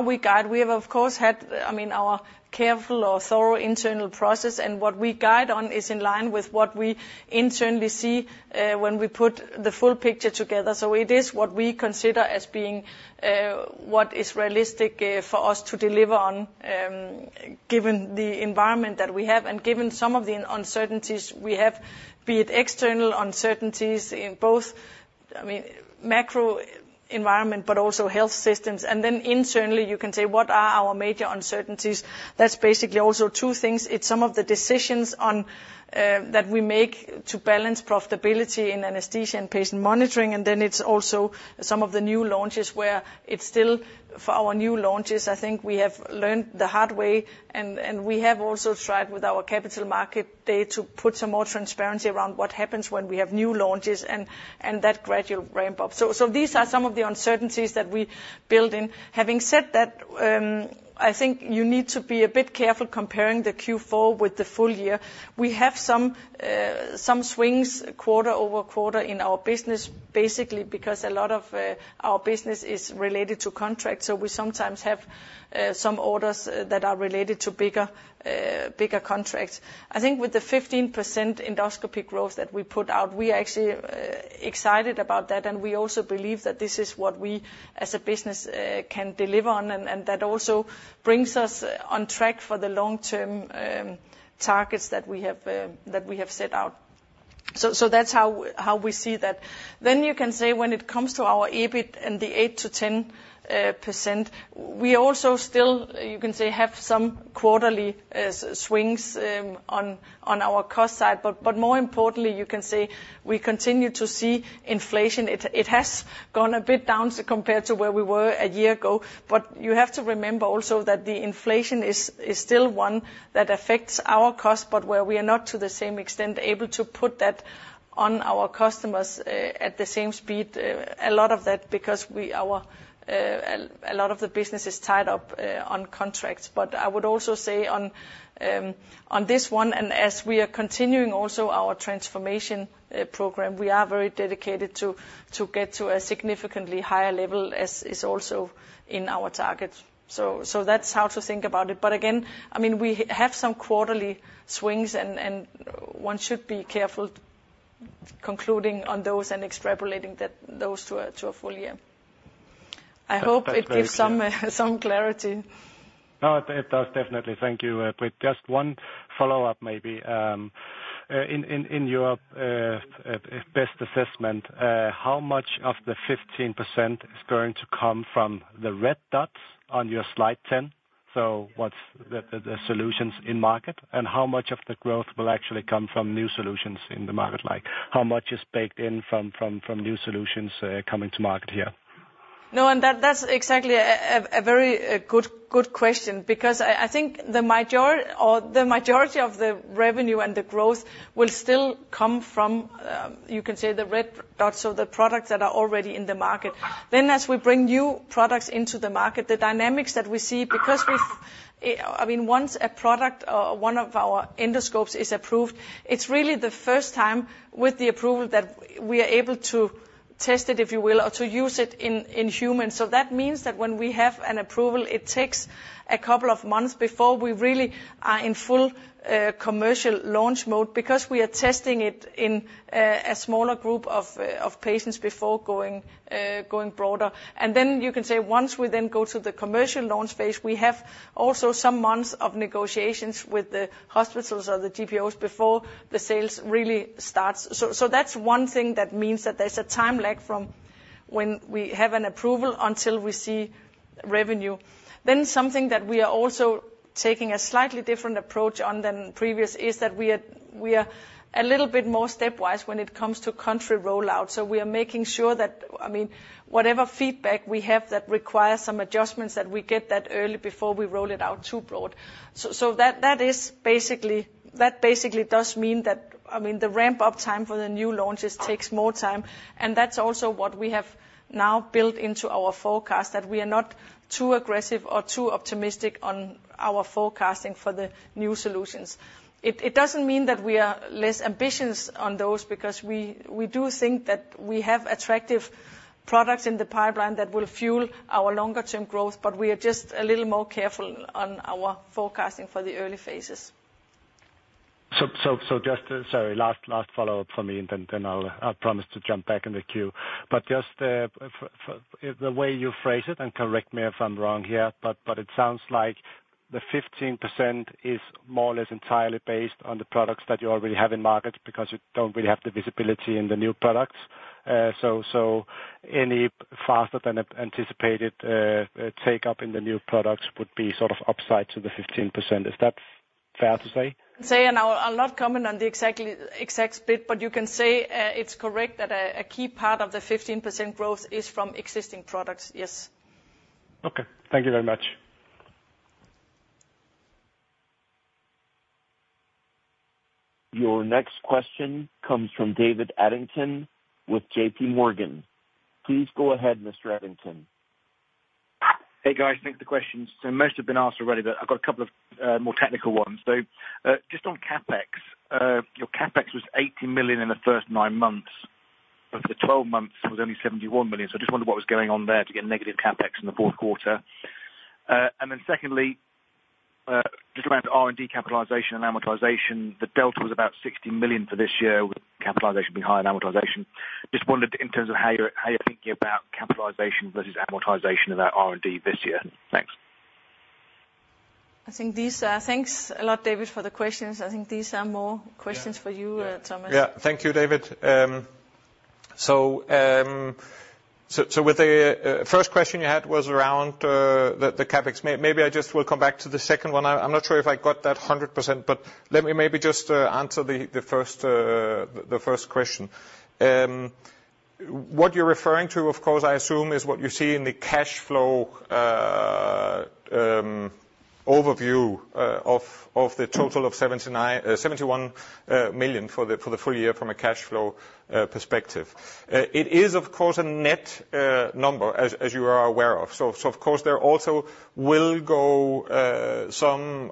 we guide, we have of course had, I mean, our careful or thorough internal process, and what we guide on is in line with what we internally see, when we put the full picture together. So it is what we consider as being what is realistic for us to deliver on, given the environment that we have and given some of the uncertainties we have, be it external uncertainties in both, I mean, macro environment, but also health systems. And then internally, you can say, what are our major uncertainties? That's basically also two things. It's some of the decisions on that we make to balance profitability in anesthesia and patient monitoring, and then it's also some of the new launches where it's still for our new launches. I think we have learned the hard way, and we have also tried with our capital market day to put some more transparency around what happens when we have new launches and that gradual ramp up. So these are some of the uncertainties that we build in. Having said that, I think you need to be a bit careful comparing the Q4 with the full year. We have some swings quarter-over-quarter in our business, basically, because a lot of our business is related to contracts, so we sometimes have some orders that are related to bigger contracts. I think with the 15% endoscopy growth that we put out, we are actually excited about that, and we also believe that this is what we, as a business, can deliver on, and that also brings us on track for the long-term targets that we have set out. So that's how we see that. Then you can say when it comes to our EBIT and the 8%-10%, we also still have some quarterly swings on our cost side. But more importantly, you can say we continue to see inflation. It has gone a bit down compared to where we were a year ago, but you have to remember also that the inflation is still one that affects our cost, but where we are not, to the same extent, able to put that on our customers at the same speed. A lot of that because we, our, a lot of the business is tied up on contracts. But I would also say on this one, and as we are continuing also our transformation program, we are very dedicated to get to a significantly higher level, as is also in our targets. So that's how to think about it. But again, I mean, we have some quarterly swings and one should be careful concluding on those and extrapolating those to a full year. I hope it gives some clarity. No, it does, definitely. Thank you. But just one follow-up, maybe. In your best assessment, how much of the 15% is going to come from the red dots on your slide 10? So what's the solutions in market, and how much of the growth will actually come from new solutions in the market? Like, how much is baked in from new solutions coming to market here? No, and that's exactly a very good question, because I think the majority of the revenue and the growth will still come from, you can say, the red dots, so the products that are already in the market. Then, as we bring new products into the market, the dynamics that we see, because I mean, once a product or one of our endoscopes is approved, it's really the first time with the approval that we are able to test it, if you will, or to use it in humans. So that means that when we have an approval, it takes a couple of months before we really are in full commercial launch mode because we are testing it in a smaller group of patients before going broader. And then you can say, once we then go to the commercial launch phase, we have also some months of negotiations with the hospitals or the GPOs before the sales really starts. So that's one thing that means that there's a time lag from when we have an approval until we see revenue. Then something that we are also taking a slightly different approach on than previous is that we are a little bit more stepwise when it comes to country rollout. So we are making sure that, I mean, whatever feedback we have that requires some adjustments, that we get that early before we roll it out too broad. So, that basically does mean that, I mean, the ramp-up time for the new launches takes more time, and that's also what we have now built into our forecast, that we are not too aggressive or too optimistic on our forecasting for the new solutions. It doesn't mean that we are less ambitious on those, because we do think that we have attractive products in the pipeline that will fuel our longer-term growth, but we are just a little more careful on our forecasting for the early phases. Just... Sorry, last follow-up for me, and then I'll promise to jump back in the queue. But just, for the way you phrase it, and correct me if I'm wrong here, but it sounds like the 15% is more or less entirely based on the products that you already have in market, because you don't really have the visibility in the new products. So any faster than anticipated take-up in the new products would be sort of upside to the 15%. Is that fair to say? Say, and I'll not comment on the exact split, but you can say, it's correct that a key part of the 15% growth is from existing products, yes. Okay. Thank you very much. Your next question comes from David Adlington with JP Morgan. Please go ahead, Mr. Adlington. Hey, guys. I think the questions, so most have been asked already, but I've got a couple of more technical ones. So, just on CapEx, your CapEx was 80 million in the first 9 months, but for 12 months it was only 71 million, so I just wondered what was going on there to get negative CapEx in the fourth quarter? And then secondly, just around R&D capitalization and amortization, the delta was about 60 million for this year, with capitalization being higher than amortization. Just wondered in terms of how you're, how you're thinking about capitalization versus amortization of that R&D this year. Thanks. I think these. Thanks a lot, David, for the questions. I think these are more questions for you, Thomas. Yeah. Thank you, David. So, with the first question you had was around the CapEx. Maybe I just will come back to the second one. I'm not sure if I got that 100%, but let me maybe just answer the first question. What you're referring to, of course, I assume, is what you see in the cash flow overview of the total of 71 million for the full year from a cash flow perspective. It is, of course, a net number, as you are aware of, so of course there also will go some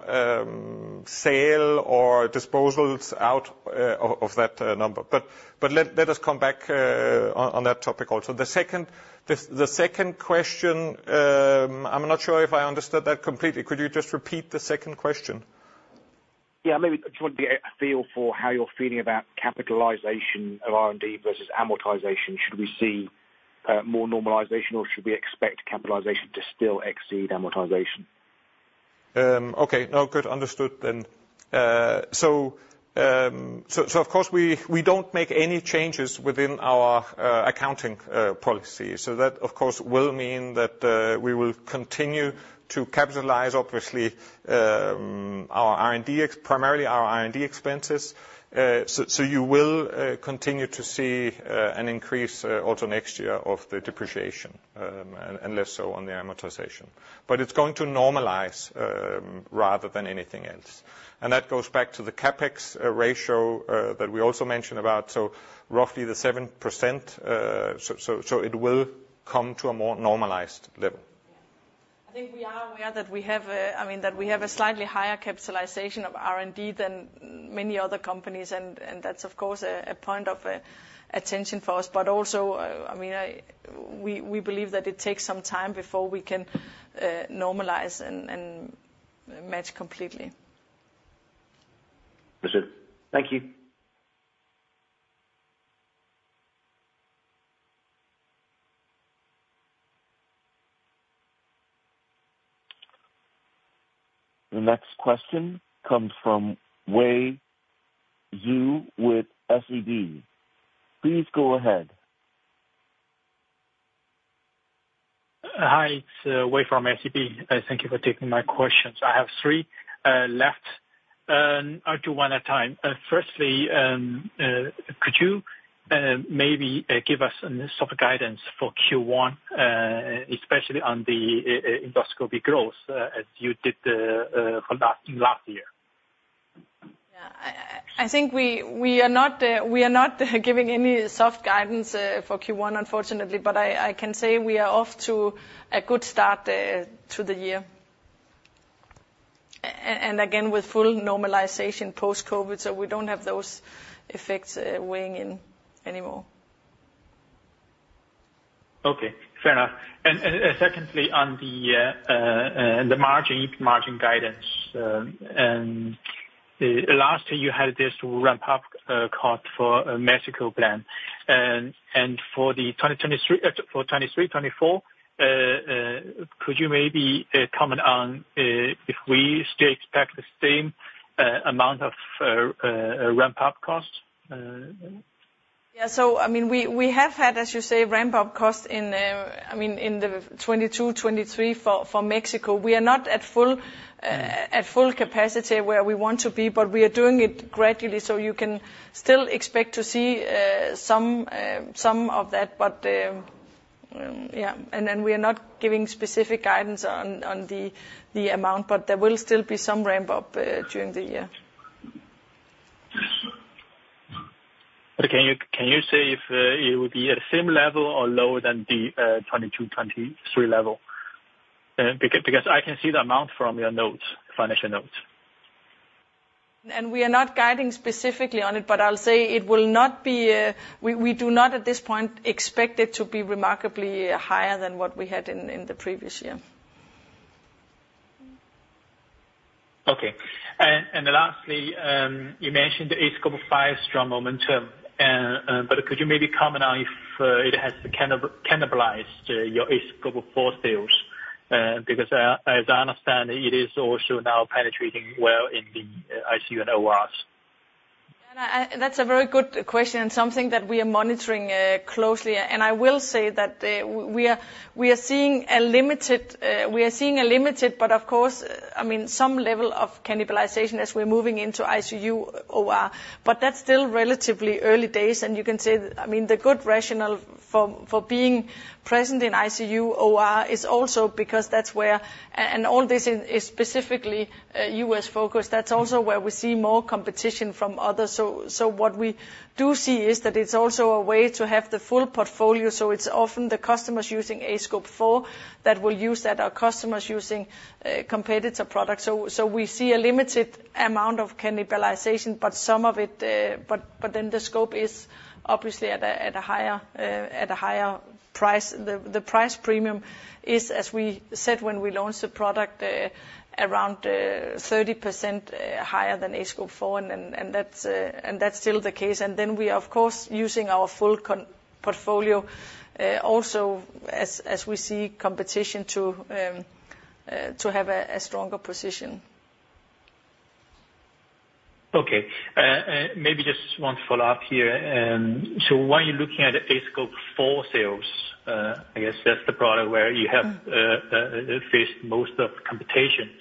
sale or disposals out of that number. But let us come back on that topic also. The second question, I'm not sure if I understood that completely. Could you just repeat the second question? Yeah, maybe I just want to get a feel for how you're feeling about capitalization of R&D versus amortization. Should we see more normalization, or should we expect capitalization to still exceed amortization? Okay. No, good. Understood then. So, of course we don't make any changes within our accounting policy. So that, of course, will mean that we will continue to capitalize, obviously, our R&D expenses. So you will continue to see an increase also next year of the depreciation, and less so on the amortization. But it's going to normalize rather than anything else. And that goes back to the CapEx ratio that we also mentioned about, so roughly the 7%. So it will come to a more normalized level. I think we are aware that we have, I mean, that we have a slightly higher capitalization of R&D than many other companies, and that's, of course, a point of attention for us. But also, I mean, we believe that it takes some time before we can normalize and match completely. Understood. Thank you. The next question comes from Yiwei Zhou with SEB. Please go ahead. Hi, it's Wei from SEB. Thank you for taking my questions. I have three left, and I'll do one at a time. Firstly, could you maybe give us a soft guidance for Q1, especially on the endoscopy growth, as you did for last year? Yeah. I think we are not giving any soft guidance for Q1, unfortunately, but I can say we are off to a good start to the year. And again, with full normalization post-COVID, so we don't have those effects weighing in anymore. Okay, fair enough. And secondly, on the margin guidance, last year you had this ramp-up cost for the Mexico plant, and for 2023, for 2023, 2024, could you maybe comment on if we still expect the same amount of ramp-up costs?... Yeah, so I mean, we, we have had, as you say, ramp-up costs in, I mean, in 2022, 2023 for, for Mexico. We are not at full, at full capacity where we want to be, but we are doing it gradually, so you can still expect to see, some, some of that. But, yeah, and then we are not giving specific guidance on, on the, the amount, but there will still be some ramp-up, during the year. But can you say if it would be at the same level or lower than the 2022-2023 level? Because I can see the amount from your notes, financial notes. And we are not guiding specifically on it, but I'll say it will not be. We do not, at this point, expect it to be remarkably higher than what we had in the previous year. Okay. And lastly, you mentioned the aScope 5 strong momentum, and, but could you maybe comment on if it has cannibalized your aScope 4 sales? Because as I understand, it is also now penetrating well in the ICU and ORs. Yeah, and that's a very good question, and something that we are monitoring closely. And I will say that we are seeing a limited, but of course, I mean, some level of cannibalization as we're moving into ICU, OR. But that's still relatively early days, and you can say, I mean, the good rationale for being present in ICU, OR, is also because that's where... And all this is specifically U.S. focused. That's also where we see more competition from others. So what we do see is that it's also a way to have the full portfolio, so it's often the customers using aScope 4 that will use that are customers using competitor products. So, we see a limited amount of cannibalization, but some of it, but then the scope is obviously at a higher price. The price premium is, as we said when we launched the product, around 30% higher than aScope 4, and that's still the case. And then we are, of course, using our full portfolio, also as we see competition to have a stronger position. Okay. Maybe just one follow-up here. So when you're looking at aScope 4 sales, I guess that's the product where you have faced most of the competition.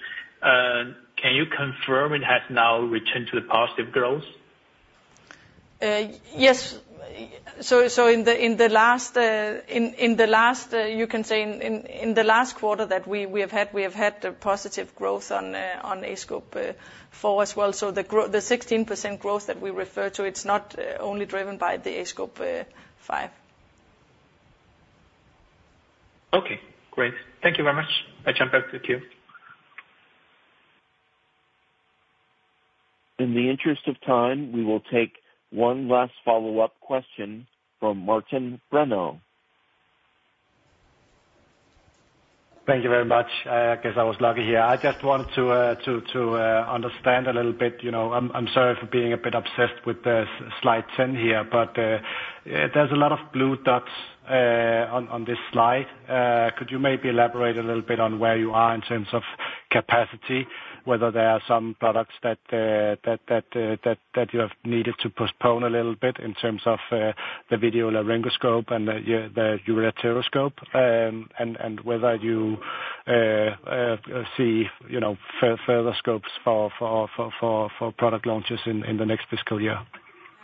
Can you confirm it has now returned to the positive growth? Yes. So, you can say in the last quarter that we have had a positive growth on aScope 4 as well. So the 16% growth that we refer to, it's not only driven by the aScope 5. Okay, great. Thank you very much. I jump back to you. In the interest of time, we will take one last follow-up question from Martin Brenøe,. Thank you very much. I guess I was lucky here. I just wanted to understand a little bit, you know, I'm sorry for being a bit obsessed with the Slide 10 here, but there's a lot of blue dots on this slide. Could you maybe elaborate a little bit on where you are in terms of capacity, whether there are some products that you have needed to postpone a little bit in terms of the video laryngoscopy and the ureteroscope, and whether you see, you know, further scopes for product launches in the next fiscal year?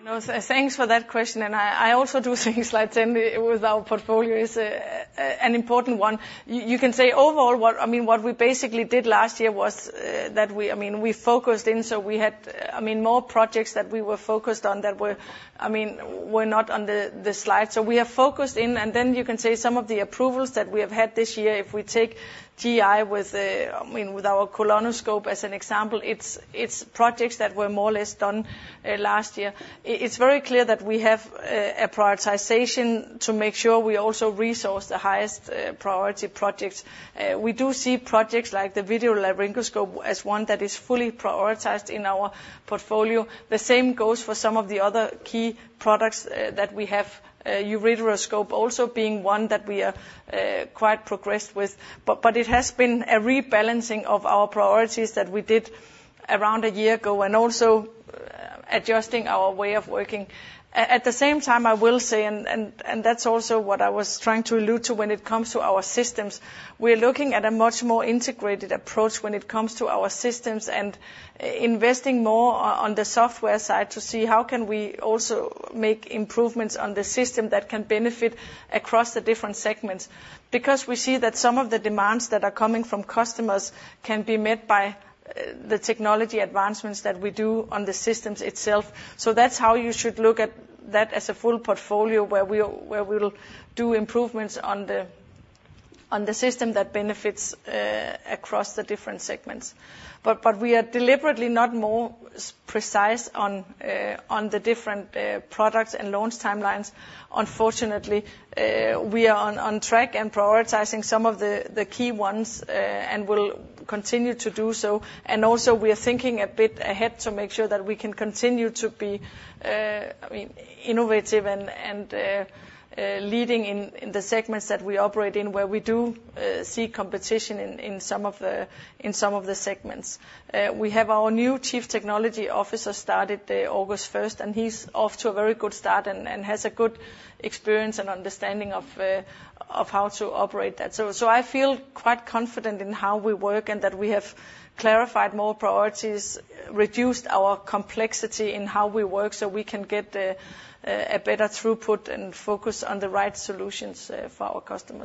No, thanks for that question, and I, I also do think Slide Ten with our portfolio is an important one. You, you can say overall, what, I mean, what we basically did last year was that we, I mean, we focused in, so we had, I mean, more projects that we were focused on that were, I mean, were not on the, the slide. So we are focused in, and then you can say some of the approvals that we have had this year, if we take GI with I mean with our colonoscope as an example, it's, it's projects that were more or less done last year. It, it's very clear that we have a prioritization to make sure we also resource the highest priority projects. We do see projects like the Video laryngoscope as one that is fully prioritized in our portfolio. The same goes for some of the other key products that we have, ureteroscope also being one that we are quite progressed with. But it has been a rebalancing of our priorities that we did around a year ago, and also adjusting our way of working. At the same time, I will say, and that's also what I was trying to allude to when it comes to our systems, we are looking at a much more integrated approach when it comes to our systems, and investing more on the software side to see how can we also make improvements on the system that can benefit across the different segments. Because we see that some of the demands that are coming from customers can be met by the technology advancements that we do on the systems itself. So that's how you should look at that as a full portfolio, where we will do improvements on the system that benefits across the different segments. But we are deliberately not more precise on the different products and launch timelines. Unfortunately, we are on track and prioritizing some of the key ones and will continue to do so. And also, we are thinking a bit ahead to make sure that we can continue to be, I mean, innovative and leading in the segments that we operate in, where we do see competition in some of the segments. We have our new Chief Technology Officer started August first, and he's off to a very good start and has a good experience and understanding of how to operate that. So I feel quite confident in how we work and that we have clarified more priorities, reduced our complexity in how we work, so we can get a better throughput and focus on the right solutions for our customers.